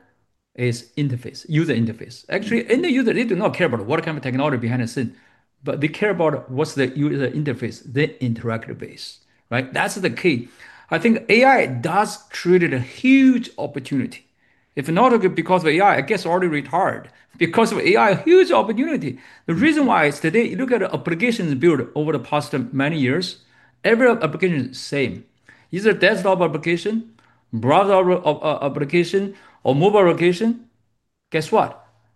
is interface, user interface. Actually, end user, they do not care about what kind of technology behind the scenes, but they care about what's the user interface, the interactive base, right? That's the key. I think AI does create a huge opportunity. If not because of AI, I guess already retired. Because of AI, a huge opportunity. The reason why is today you look at applications built over the past many years, every application is the same. Is it a desktop application, browser application, or mobile application? Guess what?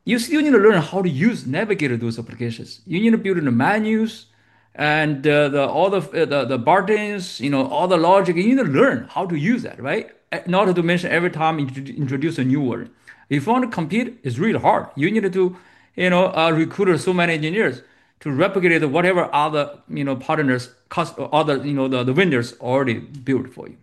You still need to learn how to use navigate those applications. You need to build in the menus and all the buttons, you know, all the logic. You need to learn how to use that, right? Not to mention every time you introduce a new word. If you want to compete, it's really hard. You need to, you know, recruit so many engineers to replicate whatever other, you know, partners, customers, other, you know, the vendors already built for you.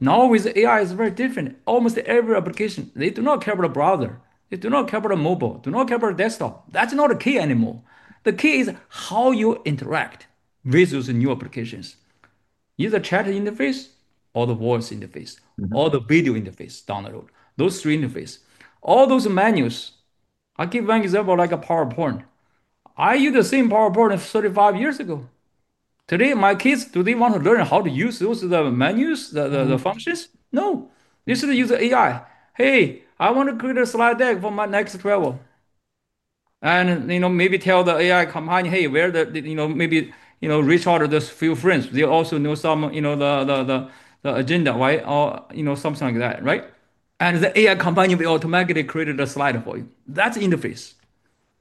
Now with AI, it's very different. Almost every application, they do not care about a browser. They do not care about a mobile. They do not care about a desktop. That's not the key anymore. The key is how you interact with those new applications. Use the chat interface or the voice interface or the video interface down the road. Those three interfaces. All those menus. I'll give you an example like a PowerPoint. I use the same PowerPoint as 35 years ago. Today, my kids, do they want to learn how to use those menus, the functions? No. They still use the AI. Hey, I want to create a slide deck for my next travel. Maybe tell the AI Companion, hey, maybe reach out to those few friends. They also know some, you know, the agenda, right? Or something like that, right? The AI Companion will automatically create a slide for you. That's the interface.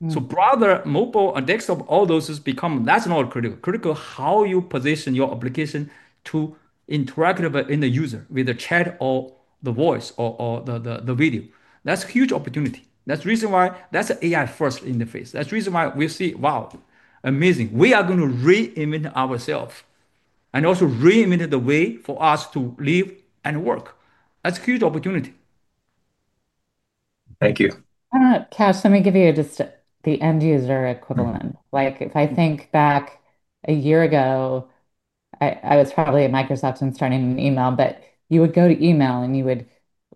Browser, mobile, and desktop, all those become, that's not critical. Critical is how you position your application to interact with the user, with the chat or the voice or the video. That's a huge opportunity. That's the reason why that's an AI-first interface. That's the reason why we see, wow, amazing. We are going to reinvent ourselves and also reinvent the way for us to live and work. That's a huge opportunity. Thank you. Kash, let me give you just the end user equivalent. If I think back a year ago, I was probably at Microsoft and starting an email, but you would go to email and you would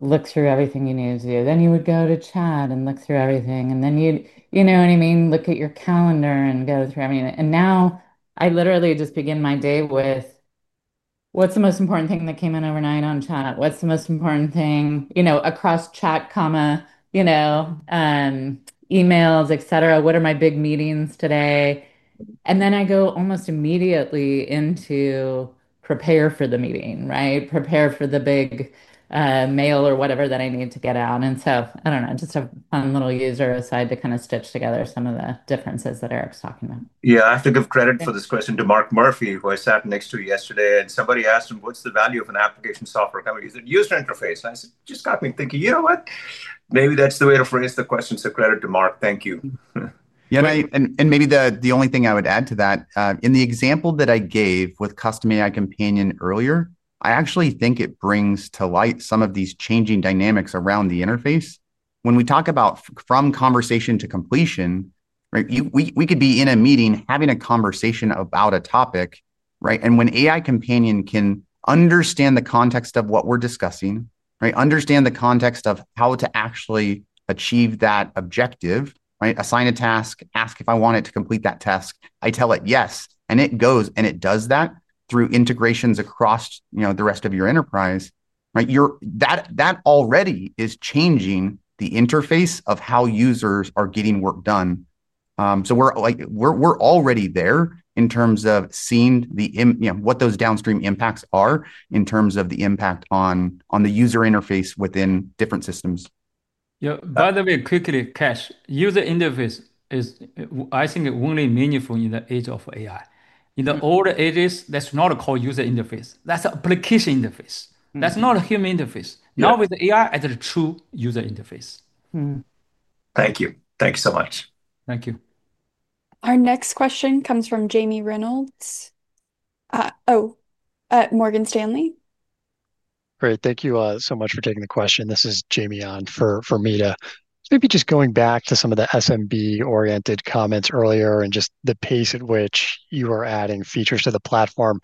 look through everything you needed to do. Then you would go to chat and look through everything. You know what I mean, look at your calendar and go through. Now I literally just begin my day with what's the most important thing that came in overnight on chat. What's the most important thing across chat, emails, et cetera? What are my big meetings today? I go almost immediately into prepare for the meeting, right? Prepare for the big mail or whatever that I need to get out. I just have a fun little user aside to kind of stitch together some of the differences that Eric's talking about. Yeah, I have to give credit for this question to Mark Murphy, who I sat next to yesterday, and somebody asked him, what's the value of an application software company? He said, user interface. It just got me thinking, you know what? Maybe that's the way to phrase the question. Credit to Mark. Thank you. Yeah, and maybe the only thing I would add to that, in the example that I gave with Custom AI Companion earlier, I actually think it brings to light some of these changing dynamics around the interface. When we talk about from conversation to completion, we could be in a meeting having a conversation about a topic, right? When AI Companion can understand the context of what we're discussing, understand the context of how to actually achieve that objective, assign a task, ask if I want it to complete that task, I tell it yes, and it goes and it does that through integrations across the rest of your enterprise, right? That already is changing the interface of how users are getting work done. We're already there in terms of seeing what those downstream impacts are in terms of the impact on the user interface within different systems. Yeah, by the way, quickly, Kash, user interface is, I think, only meaningful in the age of AI. In the older ages, that's not called user interface. That's application interface. That's not a human interface. Now with AI, it's a true user interface. Thank you. Thank you so much. Thank you. Our next question comes from Jamie Reynolds of Morgan Stanley. Great, thank you so much for taking the question. This is Jamie on for me. Maybe just going back to some of the SMB-oriented comments earlier and just the pace at which you are adding features to the platform.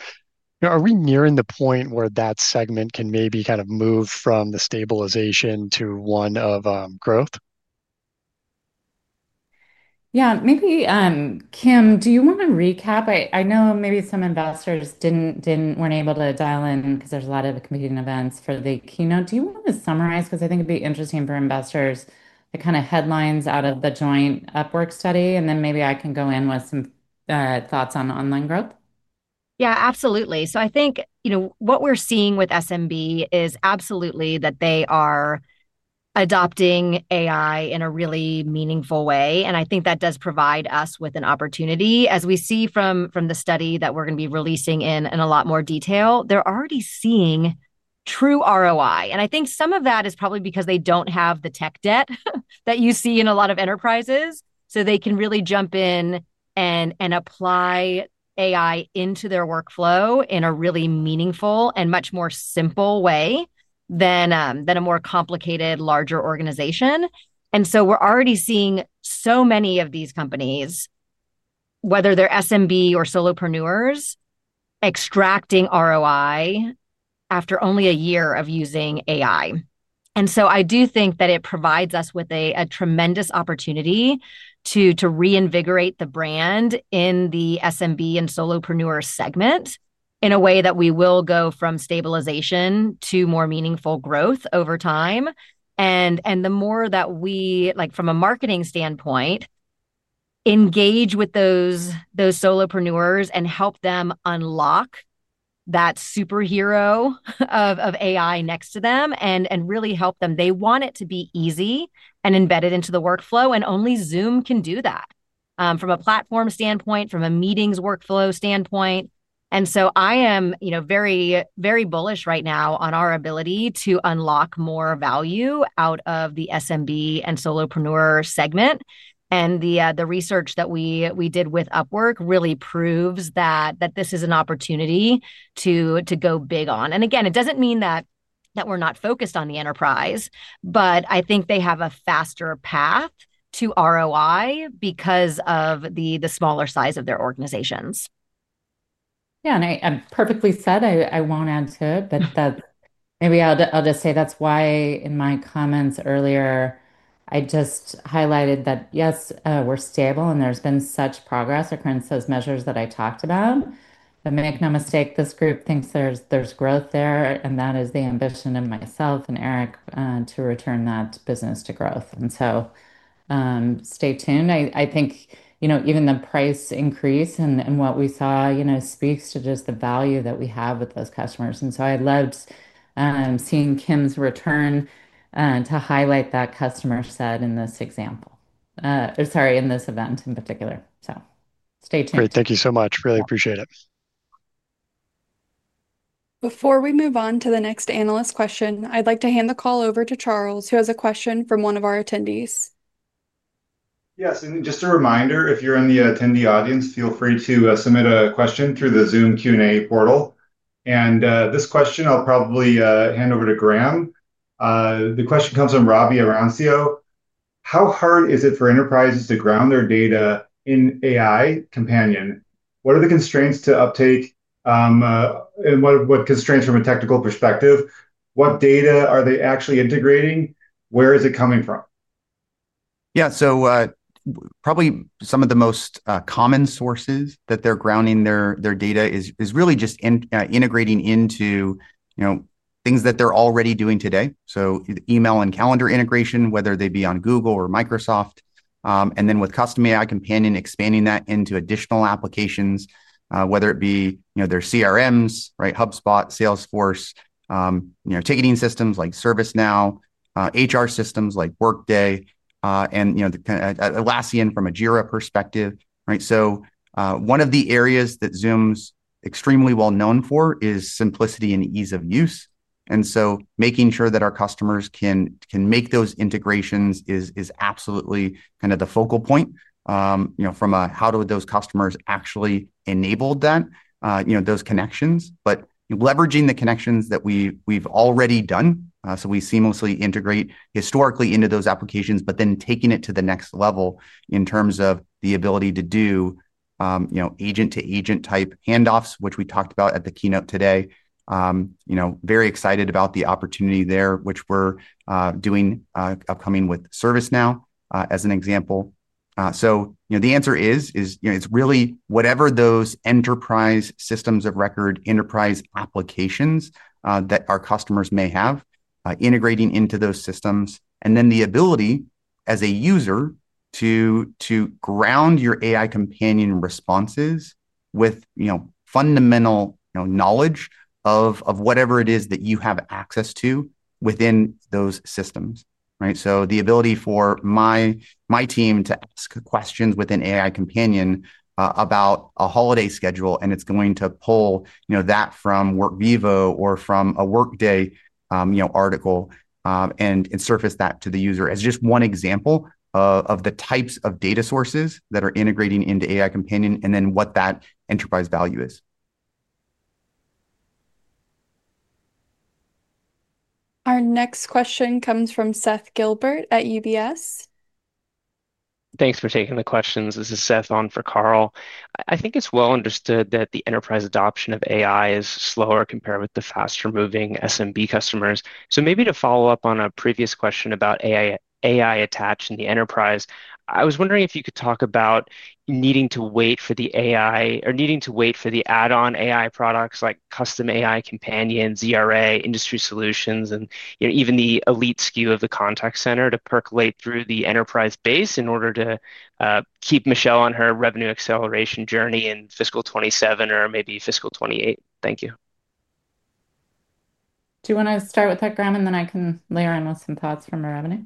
You know, are we nearing the point where that segment can maybe kind of move from the stabilization to one of growth? Yeah, maybe, Kim, do you want to recap? I know maybe some investors weren't able to dial in because there's a lot of competing events for the keynote. Do you want to summarize? I think it'd be interesting for investors, the kind of headlines out of the joint Upwork study, and then maybe I can go in with some thoughts on online growth. Absolutely. I think what we're seeing with SMB is absolutely that they are adopting AI in a really meaningful way. I think that does provide us with an opportunity. As we see from the study that we're going to be releasing in a lot more detail, they're already seeing true ROI. I think some of that is probably because they don't have the tech debt that you see in a lot of enterprises. They can really jump in and apply AI into their workflow in a really meaningful and much more simple way than a more complicated, larger organization. We're already seeing so many of these companies, whether they're SMB or solopreneurs, extracting ROI after only a year of using AI. I do think that it provides us with a tremendous opportunity to reinvigorate the brand in the SMB and solopreneur segment in a way that we will go from stabilization to more meaningful growth over time. The more that we, like from a marketing standpoint, engage with those solopreneurs and help them unlock that superhero of AI next to them and really help them. They want it to be easy and embedded into the workflow. Only Zoom can do that from a platform standpoint, from a meetings workflow standpoint. I am very, very bullish right now on our ability to unlock more value out of the SMB and solopreneur segment. The research that we did with Upwork really proves that this is an opportunity to go big on. It doesn't mean that we're not focused on the enterprise, but I think they have a faster path to ROI because of the smaller size of their organizations. Yeah, perfectly said. I won't add to it, but maybe I'll just say that's why in my comments earlier, I just highlighted that yes, we're stable and there's been such progress, according to those measures that I talked about. Make no mistake, this group thinks there's growth there, and that is the ambition in myself and Eric to return that business to growth. Stay tuned. I think, you know, even the price increase and what we saw speaks to just the value that we have with those customers. I loved seeing Kim's return to highlight that customer said in this example, or sorry, in this event in particular. Stay tuned. Great, thank you so much. Really appreciate it. Before we move on to the next analyst question, I'd like to hand the call over to Charles, who has a question from one of our attendees. Yes, just a reminder, if you're in the attendee audience, feel free to submit a question through the Zoom Q&A portal. This question I'll probably hand over to Graeme. The question comes from Robbie Arancio. How hard is it for enterprises to ground their data in AI Companion? What are the constraints to uptake and what constraints from a technical perspective? What data are they actually integrating? Where is it coming from? Yeah, so probably some of the most common sources that they're grounding their data is really just integrating into things that they're already doing today. The email and calendar integration, whether they be on Google or Microsoft, and then with Custom AI Companion expanding that into additional applications, whether it be their CRMs, right, HubSpot, Salesforce, ticketing systems like ServiceNow, HR systems like Workday, and the Atlassian from a Jira perspective, right? One of the areas that Zoom's extremely well known for is simplicity and ease of use. Making sure that our customers can make those integrations is absolutely kind of the focal point from a how do those customers actually enable that, those connections, but leveraging the connections that we've already done. We seamlessly integrate historically into those applications, but then taking it to the next level in terms of the ability to do agent-to-agent type handoffs, which we talked about at the keynote today. Very excited about the opportunity there, which we're doing upcoming with ServiceNow as an example. The answer is, it's really whatever those enterprise systems of record, enterprise applications that our customers may have, integrating into those systems, and then the ability as a user to ground your AI Companion responses with fundamental knowledge of whatever it is that you have access to within those systems, right? The ability for my team to ask questions within AI Companion about a holiday schedule, and it's going to pull that from Workvivo or from a Workday article and surface that to the user as just one example of the types of data sources that are integrating into AI Companion and then what that enterprise value is. Our next question comes from Seth Gilbert at UBS. Thanks for taking the questions. This is Seth on for Carol. I think it's well understood that the enterprise adoption of AI is slower compared with the faster moving SMB customers. Maybe to follow up on a previous question about AI attached in the enterprise, I was wondering if you could talk about needing to wait for the AI or needing to wait for the add-on AI products like Custom AI Companion, ZRA, Industry Solutions, and even the Elite SKUs in Contact Center to percolate through the enterprise base in order to keep Michelle on her revenue acceleration journey in fiscal 2027 or maybe fiscal 2028. Thank you. Do you want to start with that, Graeme, and then I can layer in some thoughts from our revenue?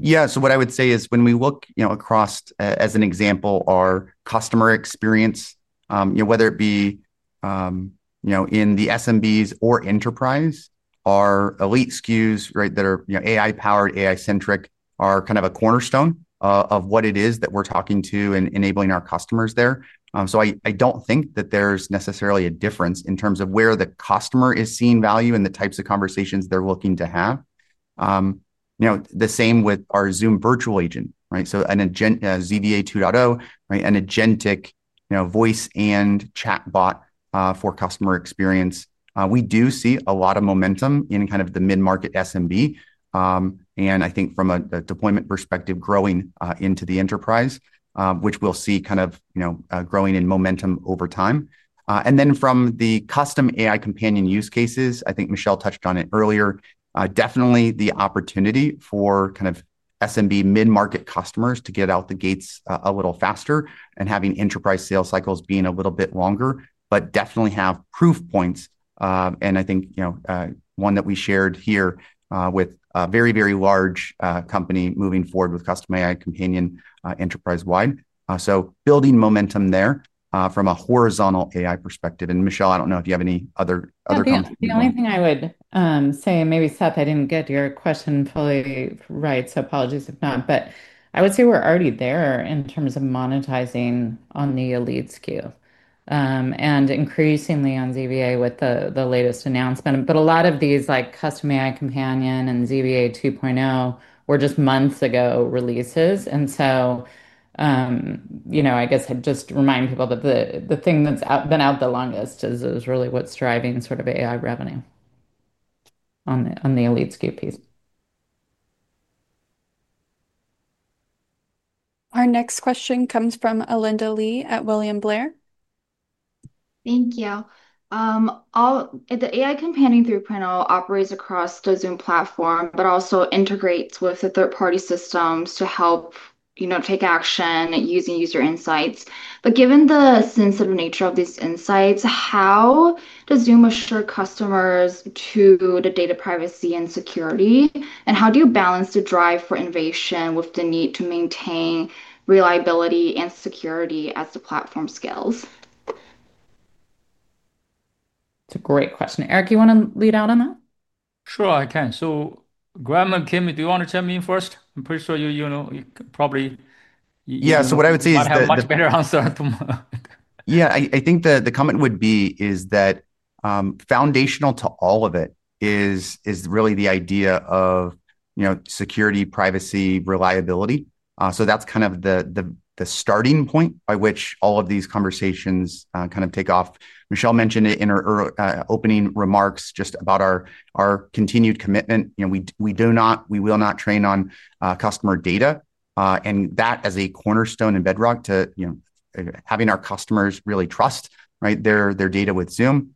Yeah, so what I would say is when we look across, as an example, our customer experience, whether it be in the SMBs or enterprise, our Elite SKUs in Contact Center that are AI-powered, AI-centric, are kind of a cornerstone of what it is that we're talking to and enabling our customers there. I don't think that there's necessarily a difference in terms of where the customer is seeing value and the types of conversations they're looking to have. The same with our Zoom Virtual Agent, right? An agent ZVA 2.0, an agentic voice and chatbot for customer experience. We do see a lot of momentum in the mid-market SMB. I think from a deployment perspective, growing into the enterprise, which we'll see growing in momentum over time. From the Custom AI Companion use cases, I think Michelle touched on it earlier, definitely the opportunity for SMB mid-market customers to get out the gates a little faster and having enterprise sales cycles being a little bit longer, but definitely have proof points. One that we shared here with a very, very large company moving forward with Custom AI Companion enterprise-wide. Building momentum there from a horizontal AI perspective. Michelle, I don't know if you have any other comments. I think the only thing I would say, and maybe Seth, I didn't get your question fully right, so apologies if not, but I would say we're already there in terms of monetizing on the Elite SKUs in Contact Center and increasingly on Zoom Revenue Accelerator with the latest announcement. A lot of these like Custom AI Companion and ZRA 2.0 were just months ago releases. I guess I'd just remind people that the thing that's been out the longest is really what's driving sort of AI revenue on the Elite SKUs in Contact Center piece. Our next question comes from Alinda Li at William Blair. Thank you. The AI Companion 3.0 operates across the Zoom platform, but also integrates with third-party systems to help, you know, take action using user insights. Given the sensitive nature of these insights, how does Zoom assure customers of the data privacy and security? How do you balance the drive for innovation with the need to maintain reliability and security as the platform scales? That's a great question. Eric, you want to lead out on that? Sure, I can. Graeme and Kim, do you want to chime in first? I'm pretty sure you know you probably. Yeah, what I would say is that. You have a much better answer too. Yeah, I think the comment would be that foundational to all of it is really the idea of security, privacy, reliability. That's kind of the starting point by which all of these conversations take off. Michelle mentioned it in her opening remarks just about our continued commitment. We do not, we will not train on customer data. That is a cornerstone and bedrock to having our customers really trust their data with Zoom.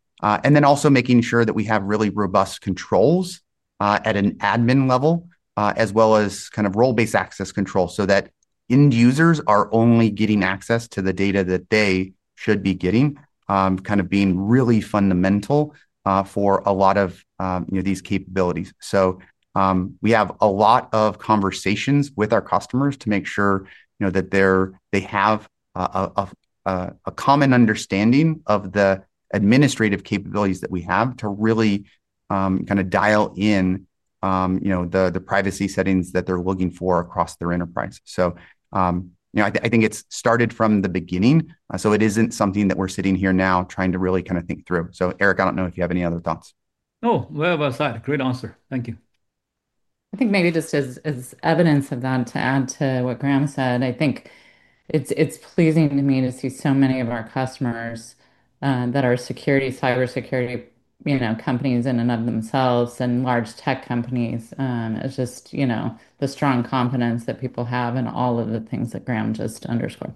Also, making sure that we have really robust controls at an admin level, as well as role-based access controls so that end users are only getting access to the data that they should be getting, is really fundamental for a lot of these capabilities. We have a lot of conversations with our customers to make sure that they have a common understanding of the administrative capabilities that we have to really dial in the privacy settings that they're looking for across their enterprise. I think it started from the beginning. It isn't something that we're sitting here now trying to really think through. Eric, I don't know if you have any other thoughts. Oh, whatever I said. Great answer. Thank you. I think maybe just as evidence of that to add to what Graeme said, I think it's pleasing to me to see so many of our customers that are security, cybersecurity, you know, companies in and of themselves and large tech companies. It's just, you know, the strong confidence that people have in all of the things that Graeme just underscored.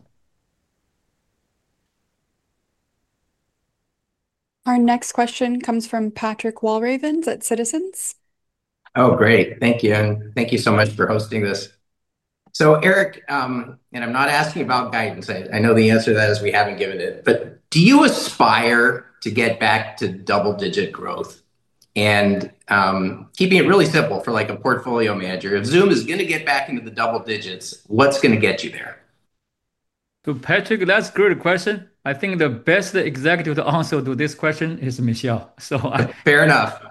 Our next question comes from Patrick Walravens at Citizens. Great. Thank you. Thank you so much for hosting this. Eric, I'm not asking about guidance. I know the answer to that is we haven't given it. Do you aspire to get back to double-digit growth? Keeping it really simple for a portfolio manager, if Zoom is going to get back into the double digits, what's going to get you there? Patrick, that's a great question. I think the best executive to answer this question is Michelle. Fair enough.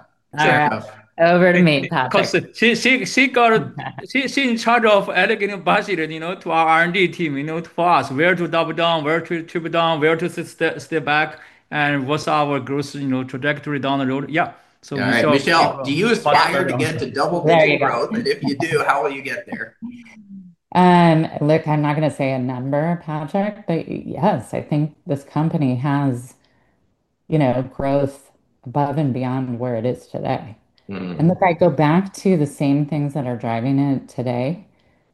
Over to me, Patrick. She's in charge of allocating budget to our R&D team, to us, where to double down, where to triple down, where to step back, and what's our growth trajectory down the road. Michelle, do you aspire to get to. Right. If you do, how will you get there? I'm not going to say a number, Patrick, but yes, I think this company has, you know, growth above and beyond where it is today. Look, I go back to the same things that are driving it today.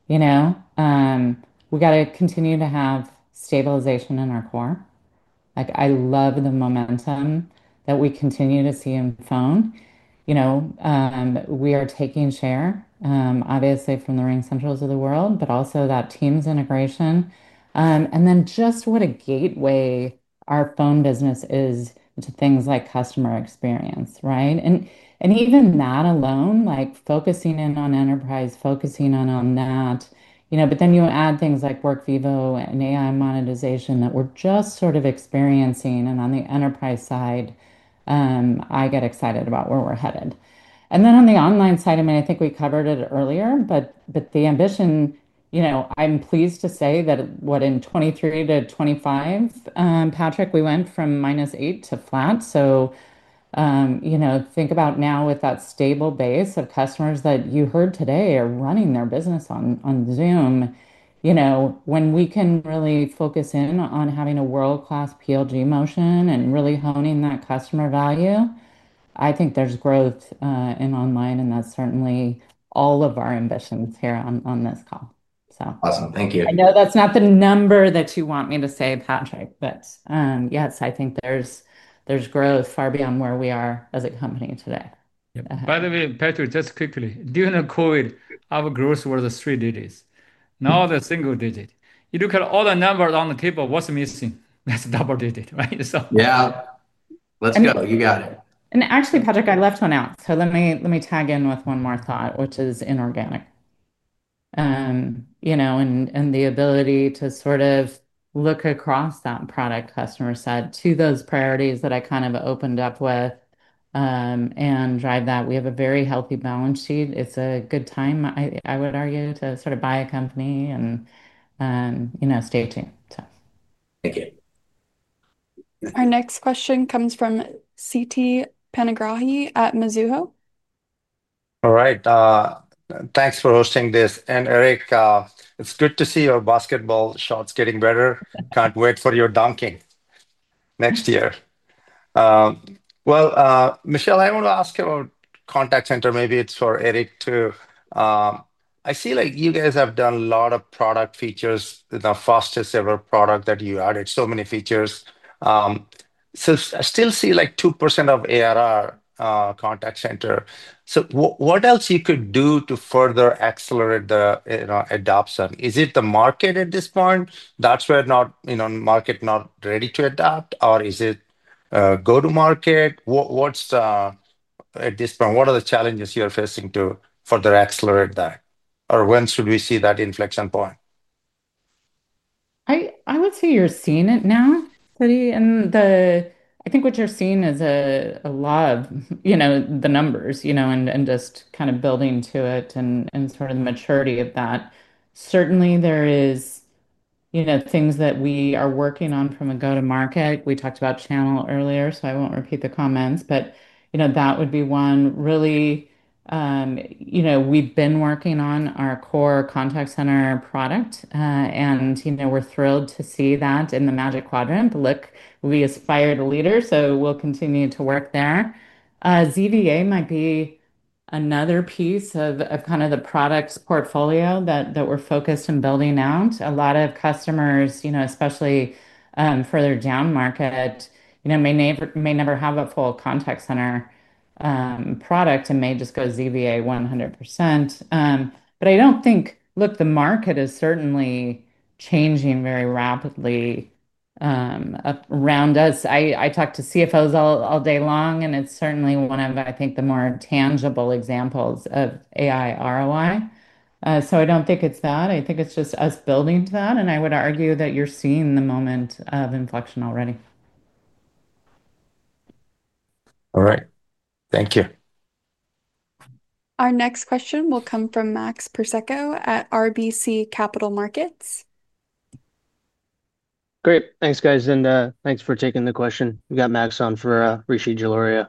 We got to continue to have stabilization in our core. I love the momentum that we continue to see in phone. We are taking share, obviously from the RingCentrals of the world, but also that Teams integration, and then just what a gateway our phone business is to things like customer experience, right? Even that alone, like focusing in on enterprise, focusing in on that, you know, but then you add things like Workvivo and AI monetization that we're just sort of experiencing. On the enterprise side, I get excited about where we're headed. On the online side, I think we covered it earlier, but the ambition, you know, I'm pleased to say that in 202-2025, Patrick, we went from -8 to flat. Think about now with that stable base of customers that you heard today are running their business on Zoom. When we can really focus in on having a world-class PLG motion and really honing that customer value, I think there's growth in online, and that's certainly all of our ambitions here on this call. Awesome. Thank you. I know that's not the number that you want me to say, Patrick, but yes, I think there's growth far beyond where we are as a company today. By the way, Patrick, just quickly, during the COVID, our growth was three digits. Now it's a single digit. You look at all the numbers on the table, what's missing? That's a double digit, right? Yeah, let's go. You got it. Actually, Patrick, I left one out. Let me tag in with one more thought, which is inorganic. The ability to sort of look across that product-customer side to those priorities that I kind of opened up with and drive that. We have a very healthy balance sheet. It's a good time, I would argue, to sort of buy a company and, you know, stay tuned. Thank you. Our next question comes from Siti Panigrahi at Mizuho. All right. Thanks for hosting this. Eric, it's good to see your basketball shots getting better. Can't wait for your dunking next year. Michelle, I want to ask about contact center. Maybe it's for Eric too. I see you guys have done a lot of product features, the fastest ever product that you added, so many features. I still see 2% of ARR contact center. What else could you do to further accelerate the adoption? Is it the market at this point? Is the market not ready to adapt, or is it go-to-market? At this point, what are the challenges you're facing to further accelerate that? When should we see that inflection point? I would say you're seeing it now. Pretty. I think what you're seeing is a lot of, you know, the numbers, you know, and just kind of building to it and sort of the maturity of that. Certainly, there are things that we are working on from a go-to-market. We talked about channel earlier, so I won't repeat the comments, but that would be one really, you know, we've been working on our core Contact Center product. We're thrilled to see that in the Magic Quadrant. We aspire to leader, so we'll continue to work there. ZVA might be another piece of the product portfolio that we're focused on building out. A lot of customers, especially further down market, may never have a full contact center product and may just go ZVA 100%. I don't think, look, the market is certainly changing very rapidly around us. I talk to CFOs all day long, and it's certainly one of, I think, the more tangible examples of AI ROI. I don't think it's that. I think it's just us building to that. I would argue that you're seeing the moment of inflection already. All right. Thank you. Our next question will come from Max Persico at RBC Capital Markets. Great. Thanks, guys. Thanks for taking the question. We got Max on for Rishi Jaluria.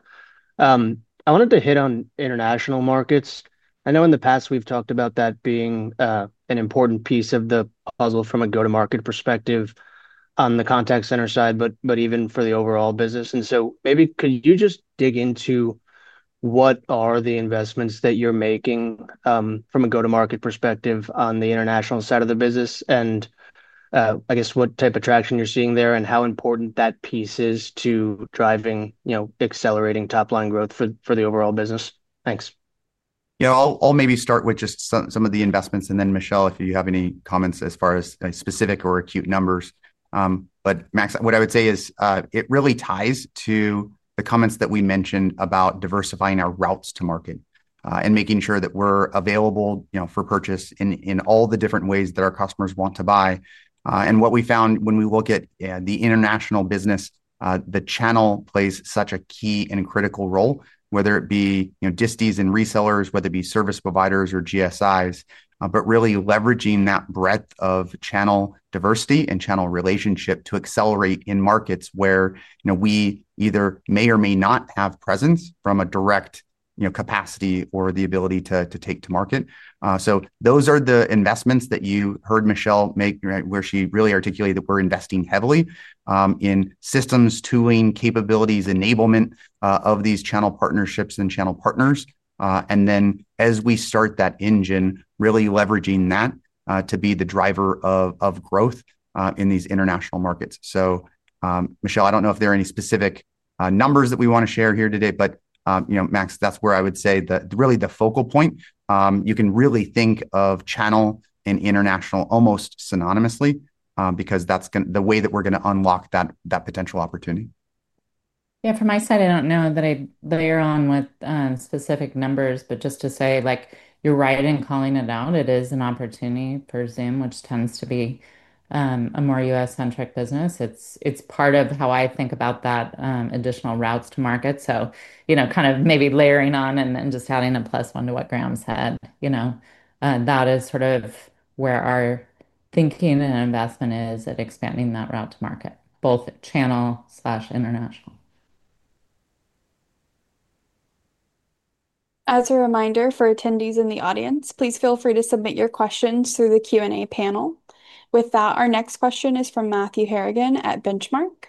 I wanted to hit on international markets. I know in the past we've talked about that being an important piece of the puzzle from a go-to-market perspective on the contact center side, but even for the overall business. Could you just dig into what are the investments that you're making from a go-to-market perspective on the international side of the business? I guess what type of traction you're seeing there and how important that piece is to driving, you know, accelerating top-line growth for the overall business. Thanks. Yeah, I'll maybe start with just some of the investments, and then Michelle, if you have any comments as far as specific or acute numbers. Max, what I would say is it really ties to the comments that we mentioned about diversifying our routes to market and making sure that we're available for purchase in all the different ways that our customers want to buy. What we found when we look at the international business, the channel plays such a key and critical role, whether it be disties and resellers, whether it be service providers or GSIs, but really leveraging that breadth of channel diversity and channel relationship to accelerate in markets where we either may or may not have presence from a direct capacity or the ability to take to market. Those are the investments that you heard Michelle make, where she really articulated that we're investing heavily in systems, tooling, capabilities, enablement of these channel partnerships and channel partners. As we start that engine, really leveraging that to be the driver of growth in these international markets. Michelle, I don't know if there are any specific numbers that we want to share here today, but you know, Max, that's where I would say that really the focal point, you can really think of channel and international almost synonymously because that's the way that we're going to unlock that potential opportunity. Yeah, from my side, I don't know that I'd layer on with specific numbers, but just to say like you're right in calling it out, it is an opportunity for Zoom, which tends to be a more U.S.-centric business. It's part of how I think about that additional routes to market. You know, kind of maybe layering on and just adding a plus one to what Graeme Geddes said, that is sort of where our thinking and investment is at expanding that route to market, both at channel/international. As a reminder for attendees in the audience, please feel free to submit your questions through the Q&A panel. With that, our next question is from Matthew Harrigan at Benchmark.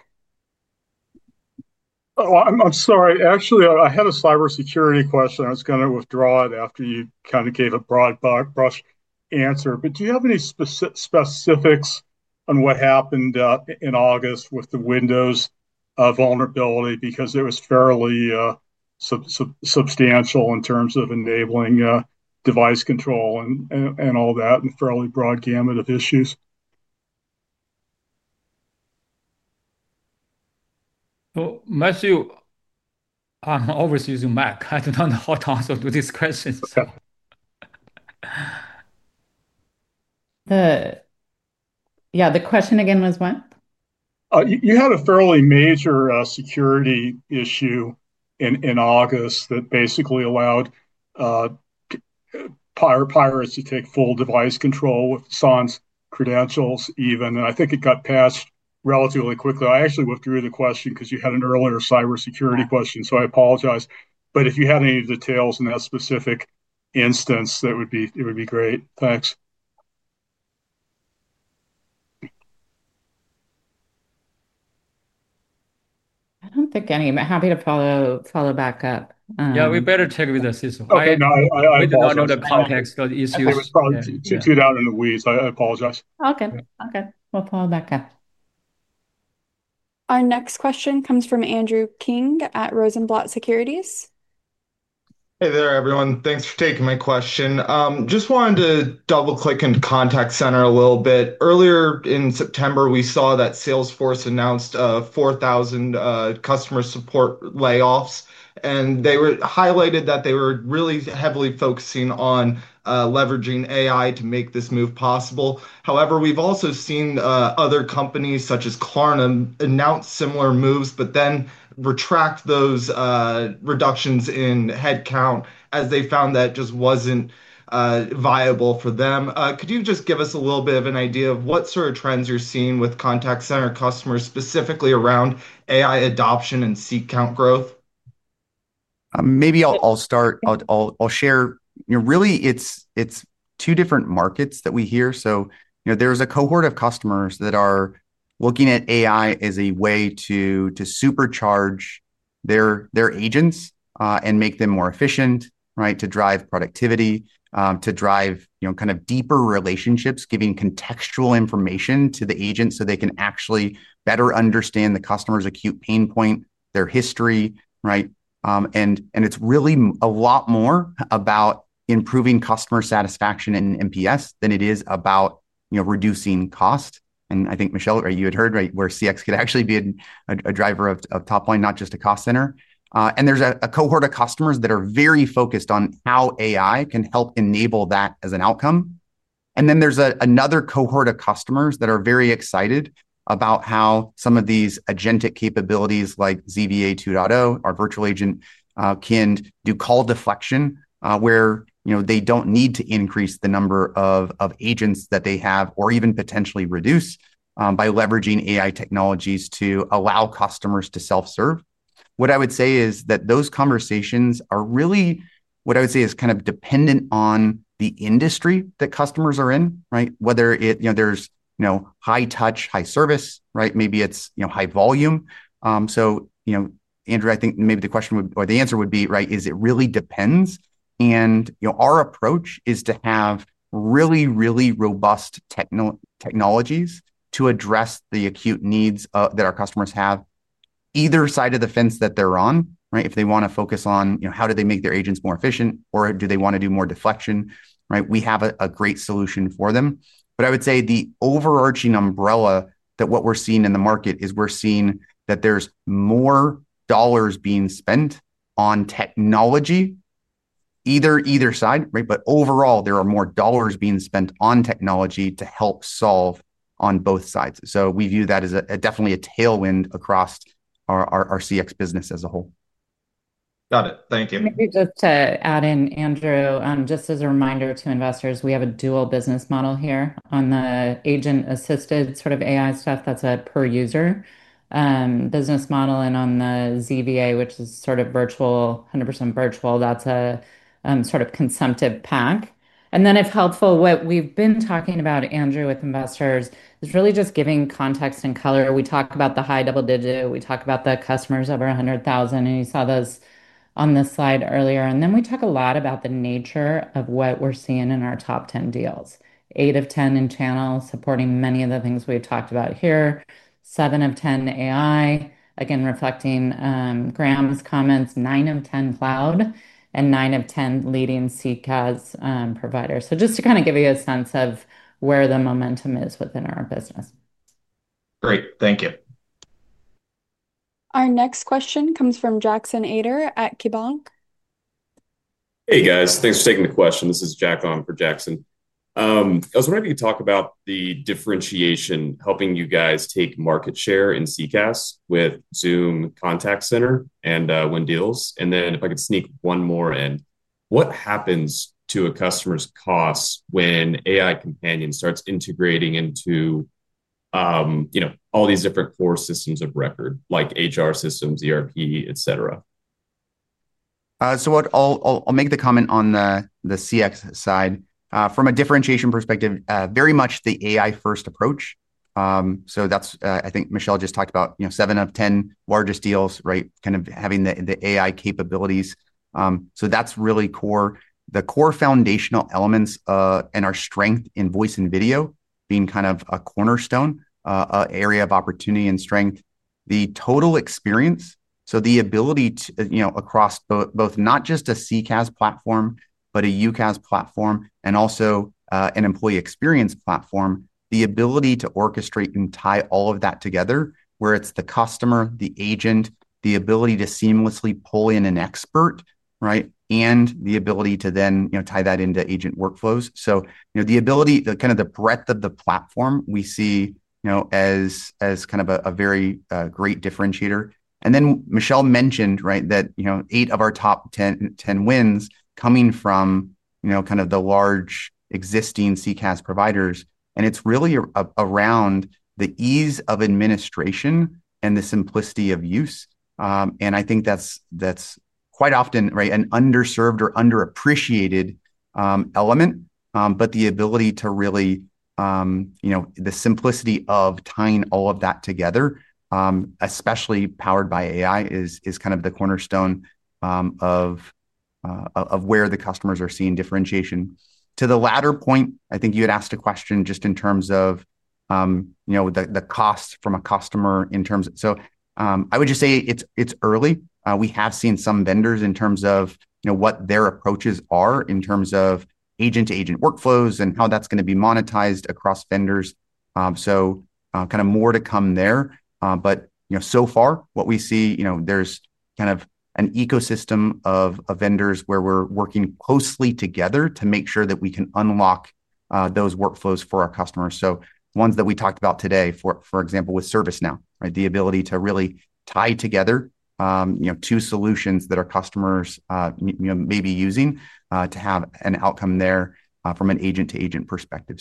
I'm sorry. Actually, I had a cybersecurity question. I was going to withdraw it after you kind of gave a broad brush answer. Do you have any specifics on what happened in August with the Windows vulnerability? It was fairly substantial in terms of enabling device control and all that, and a fairly broad gamut of issues. Matthew, I'm always using Mac. I don't know how to answer this question. Yeah, the question again was what? You had a fairly major security issue in August that basically allowed pirates to take full device control with SANS credentials even. I think it got passed relatively quickly. I actually looked through the question because you had an earlier cybersecurity question. I apologize. If you had any details in that specific instance, it would be great. Thanks. I don't think any of it. Happy to follow back up. Yeah, we better check with the system. I did not know the context of the issues. It's probably too out in the weeds. I apologize. Okay, okay. We'll follow back up. Our next question comes from Andrew King at Rosenblatt Securities. Hey there, everyone. Thanks for taking my question. Just wanted to double-click into contact center a little bit. Earlier in September, we saw that Salesforce announced 4,000 customer support layoffs. They highlighted that they were really heavily focusing on leveraging AI to make this move possible. However, we've also seen other companies such as Klarna announce similar moves, but then retract those reductions in headcount as they found that just wasn't viable for them. Could you just give us a little bit of an idea of what sort of trends you're seeing with contact center customers specifically around AI adoption and seat count growth? Maybe I'll start. I'll share. Really, it's two different markets that we hear. There's a cohort of customers that are looking at AI as a way to supercharge their agents and make them more efficient, to drive productivity, to drive kind of deeper relationships, giving contextual information to the agent so they can actually better understand the customer's acute pain point, their history. It's really a lot more about improving customer satisfaction in NPS than it is about reducing cost. I think, Michelle, you had heard where CX could actually be a driver of top line, not just a cost center. There's a cohort of customers that are very focused on how AI can help enable that as an outcome. There's another cohort of customers that are very excited about how some of these agentic capabilities like ZVA 2.0, our Virtual Agent, can do call deflection where they don't need to increase the number of agents that they have or even potentially reduce by leveraging AI technologies to allow customers to self-serve. What I would say is that those conversations are really kind of dependent on the industry that customers are in, whether it's high touch, high service, maybe it's high volume. Andrew, I think maybe the question would, or the answer would be, it really depends. Our approach is to have really, really robust technologies to address the acute needs that our customers have either side of the fence that they're on. If they want to focus on how do they make their agents more efficient or do they want to do more deflection, we have a great solution for them. I would say the overarching umbrella that what we're seeing in the market is we're seeing that there's more dollars being spent on technology, either side. Overall, there are more dollars being spent on technology to help solve on both sides. We view that as definitely a tailwind across our CX business as a whole. Got it. Thank you. Maybe just to add in, Andrew, just as a reminder to investors, we have a dual business model here on the agent-assisted sort of AI stuff. That's a per-user business model. On the ZVA, which is sort of virtual, 100% virtual, that's a sort of consumptive pack. If helpful, what we've been talking about, Andrew, with investors is really just giving context and color. We talk about the high double digit. We talk about the customers over $100,000. You saw this on this slide earlier. We talk a lot about the nature of what we're seeing in our top 10 deals. Eight of ten in channel, supporting many of the things we've talked about here. Seven of ten in AI, again reflecting Graeme Geddes' comments. Nine of ten cloud and nine of 10 leading CCaaS providers. Just to kind of give you a sense of where the momentum is within our business. Great. Thank you. Our next question comes from Jackson Ader at KeyBanc. Hey guys, thanks for taking the question. This is Jack on for Jackson. I was wondering if you could talk about the differentiation, helping you guys take market share in CCaaS with Zoom Contact Center and win deals. If I could sneak one more in, what happens to a customer's cost when AI Companion starts integrating into, you know, all these different core systems of record, like HR systems, ERP, etc.? I'll make the comment on the CX side. From a differentiation perspective, very much the AI-first approach. I think Michelle just talked about seven of 10 largest deals, right? Kind of having the AI capabilities. That's really core. The core foundational elements and our strength in voice and video being kind of a cornerstone, an area of opportunity and strength. The total experience, the ability to, across both not just a CCaaS platform, but a UCaaS platform and also an employee experience platform, the ability to orchestrate and tie all of that together, where it's the customer, the agent, the ability to seamlessly pull in an expert, right? The ability to then tie that into agent workflows. The kind of the breadth of the platform we see as a very great differentiator. Michelle mentioned that eight of our top 10 wins coming from the large existing CCaaS providers. It's really around the ease of administration and the simplicity of use. I think that's quite often an underserved or underappreciated element. The ability to really, the simplicity of tying all of that together, especially powered by AI, is kind of the cornerstone of where the customers are seeing differentiation. To the latter point, I think you had asked a question just in terms of the cost from a customer in terms of, I would just say it's early. We have seen some vendors in terms of what their approaches are in terms of agent-to-agent workflows and how that's going to be monetized across vendors. More to come there. So far what we see, there's kind of an ecosystem of vendors where we're working closely together to make sure that we can unlock those workflows for our customers. Ones that we talked about today, for example, with ServiceNow, the ability to really tie together two solutions that our customers may be using, to have an outcome there from an agent-to-agent perspective.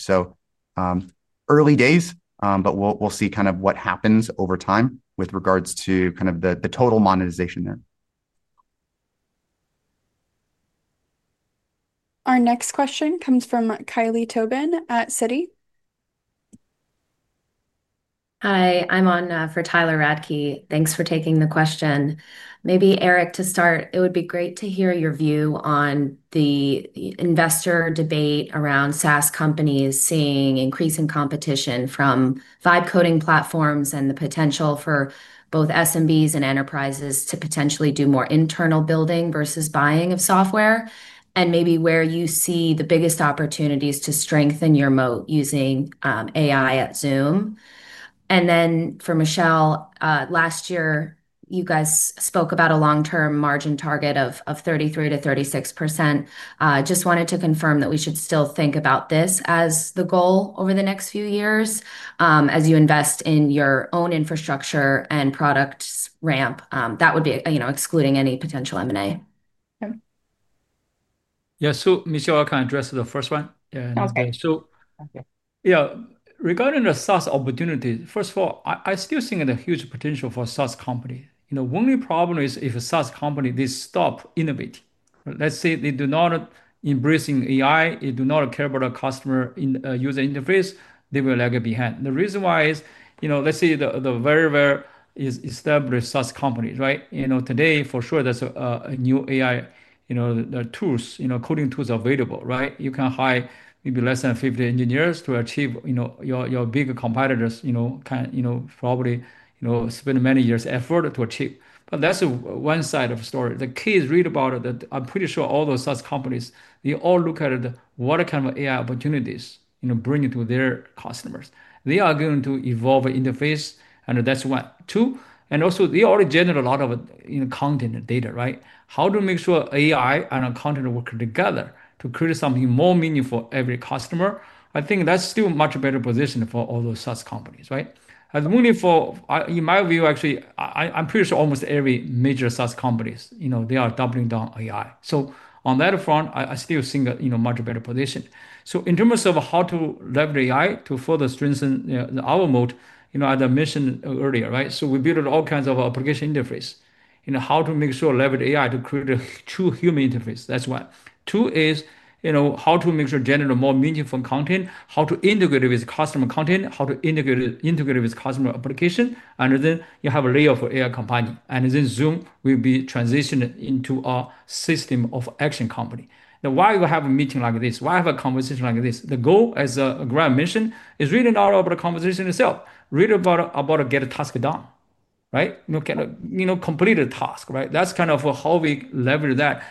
Early days, but we'll see what happens over time with regards to the total monetization there. Our next question comes from Kelly Tobin at Citi. Hi, I'm on for Tyler Radke. Thanks for taking the question. Maybe Eric, to start, it would be great to hear your view on the investor debate around SaaS companies seeing increasing competition from low-code platforms and the potential for both SMBs and enterprises to potentially do more internal building versus buying of software. Where do you see the biggest opportunities to strengthen your moat using AI at Zoom? For Michelle, last year you guys spoke about a long-term margin target of 33%-36%. Just wanted to confirm that we should still think about this as the goal over the next few years as you invest in your own infrastructure and products ramp. That would be, you know, excluding any potential M&A. Yeah, so Michelle, I can address the first one. Regarding the SaaS opportunity, first of all, I still think there's a huge potential for a SaaS company. The only problem is if a SaaS company stops innovating. If they do not embrace AI, they do not care about the customer user interface, they will lag behind. The reason why is, let's say the very, very established SaaS companies, right? Today for sure there's a new AI, the tools, coding tools are available, right? You can hire maybe less than 50 engineers to achieve what your big competitors can probably spend many years' effort to achieve. That's one side of the story. The key is to read about it. I'm pretty sure all those SaaS companies, they all look at what kind of AI opportunities bring to their customers. They are going to evolve the interface, and that's one. Two, they already generate a lot of content and data, right? How to make sure AI and content work together to create something more meaningful for every customer. I think that's still a much better position for all those SaaS companies, right? In my view, actually, I'm pretty sure almost every major SaaS company, they are doubling down on AI. On that front, I still think, much better position. In terms of how to leverage AI to further strengthen our moat, as I mentioned earlier, we build all kinds of application interface. How to make sure to leverage AI to create a true human interface, that's one. Two is how to make sure to generate more meaningful content, how to integrate it with customer content, how to integrate it with customer application, and then you have a layer for AI Companion. Then Zoom will be transitioned into our system of action company. Now, why do we have a meeting like this? Why do we have a conversation like this? The goal, as Graeme mentioned, is really not about the conversation itself, really about to get a task done, right? Complete a task, right? That's kind of how we leverage that.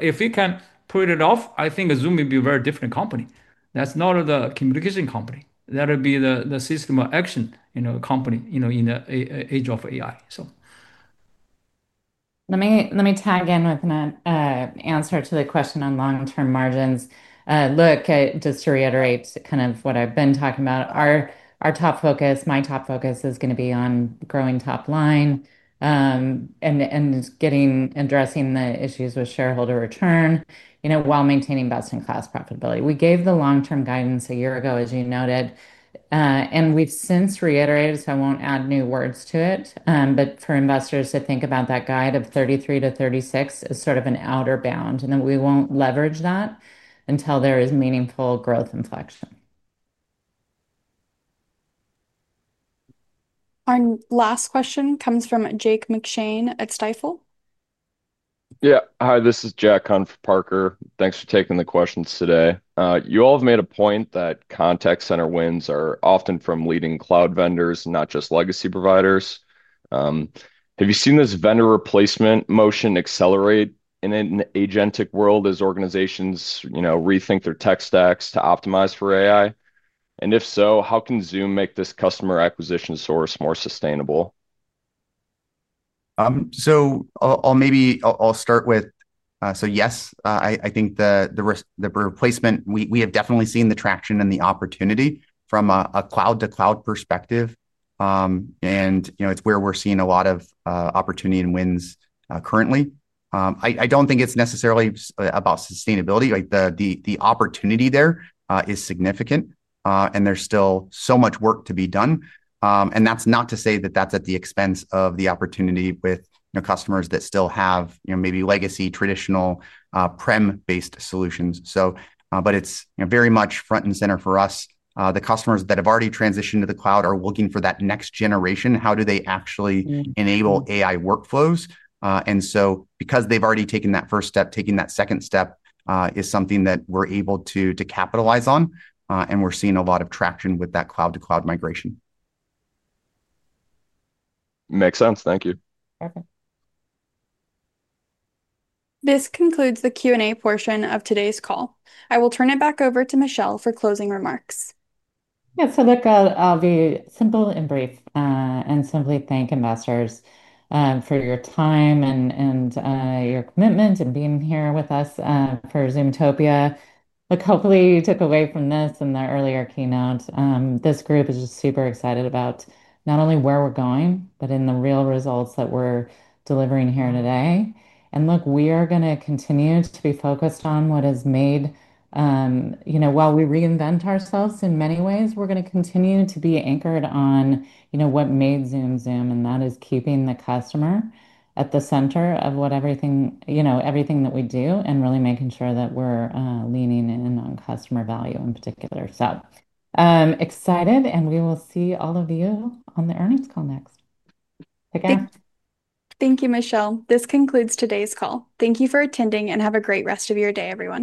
If we can pull it off, I think Zoom will be a very different company. That's not the communication company. That'll be the system of action company in the age of AI. Let me tag in with an answer to the question on long-term margins. Just to reiterate kind of what I've been talking about, our top focus, my top focus is going to be on growing top line and addressing the issues with shareholder return, you know, while maintaining best-in-class profitability. We gave the long-term guidance a year ago, as you noted, and we've since reiterated, so I won't add new words to it. For investors to think about, that guide of 33%-36% is sort of an outer bound, and we won't leverage that until there is meaningful growth inflection. Our last question comes from Jack McShane at Stifel. Hi, this is Jack on for Parker. Thanks for taking the questions today. You all have made a point that contact center wins are often from leading cloud vendors, not just legacy providers. Have you seen this vendor replacement motion accelerate in an agentic world as organizations rethink their tech stacks to optimize for AI? If so, how can Zoom make this customer acquisition source more sustainable? I think the replacement, we have definitely seen the traction and the opportunity from a cloud-to-cloud perspective, and you know, it's where we're seeing a lot of opportunity and wins currently. I don't think it's necessarily about sustainability. The opportunity there is significant, and there's still so much work to be done. That's not to say that that's at the expense of the opportunity with customers that still have, you know, maybe legacy, traditional, prem-based solutions. It's very much front and center for us. The customers that have already transitioned to the cloud are looking for that next generation. How do they actually enable AI workflows? Because they've already taken that first step, taking that second step is something that we're able to capitalize on, and we're seeing a lot of traction with that cloud-to-cloud migration. Makes sense. Thank you. This concludes the Q&A portion of today's call. I will turn it back over to Michelle for closing remarks. Yeah, so look, I'll be simple and brief, and simply thank investors for your time and your commitment and being here with us for Zoomtopia. Hopefully you took away from this and the earlier keynote, this group is just super excited about not only where we're going, but in the real results that we're delivering here today. We are going to continue to be focused on what has made, you know, while we reinvent ourselves in many ways, we're going to continue to be anchored on, you know, what made Zoom Zoom, and that is keeping the customer at the center of everything that we do and really making sure that we're leaning in on customer value in particular. Excited, and we will see all of you on the earnings call next. Thank you, Michelle. This concludes today's call. Thank you for attending and have a great rest of your day, everyone.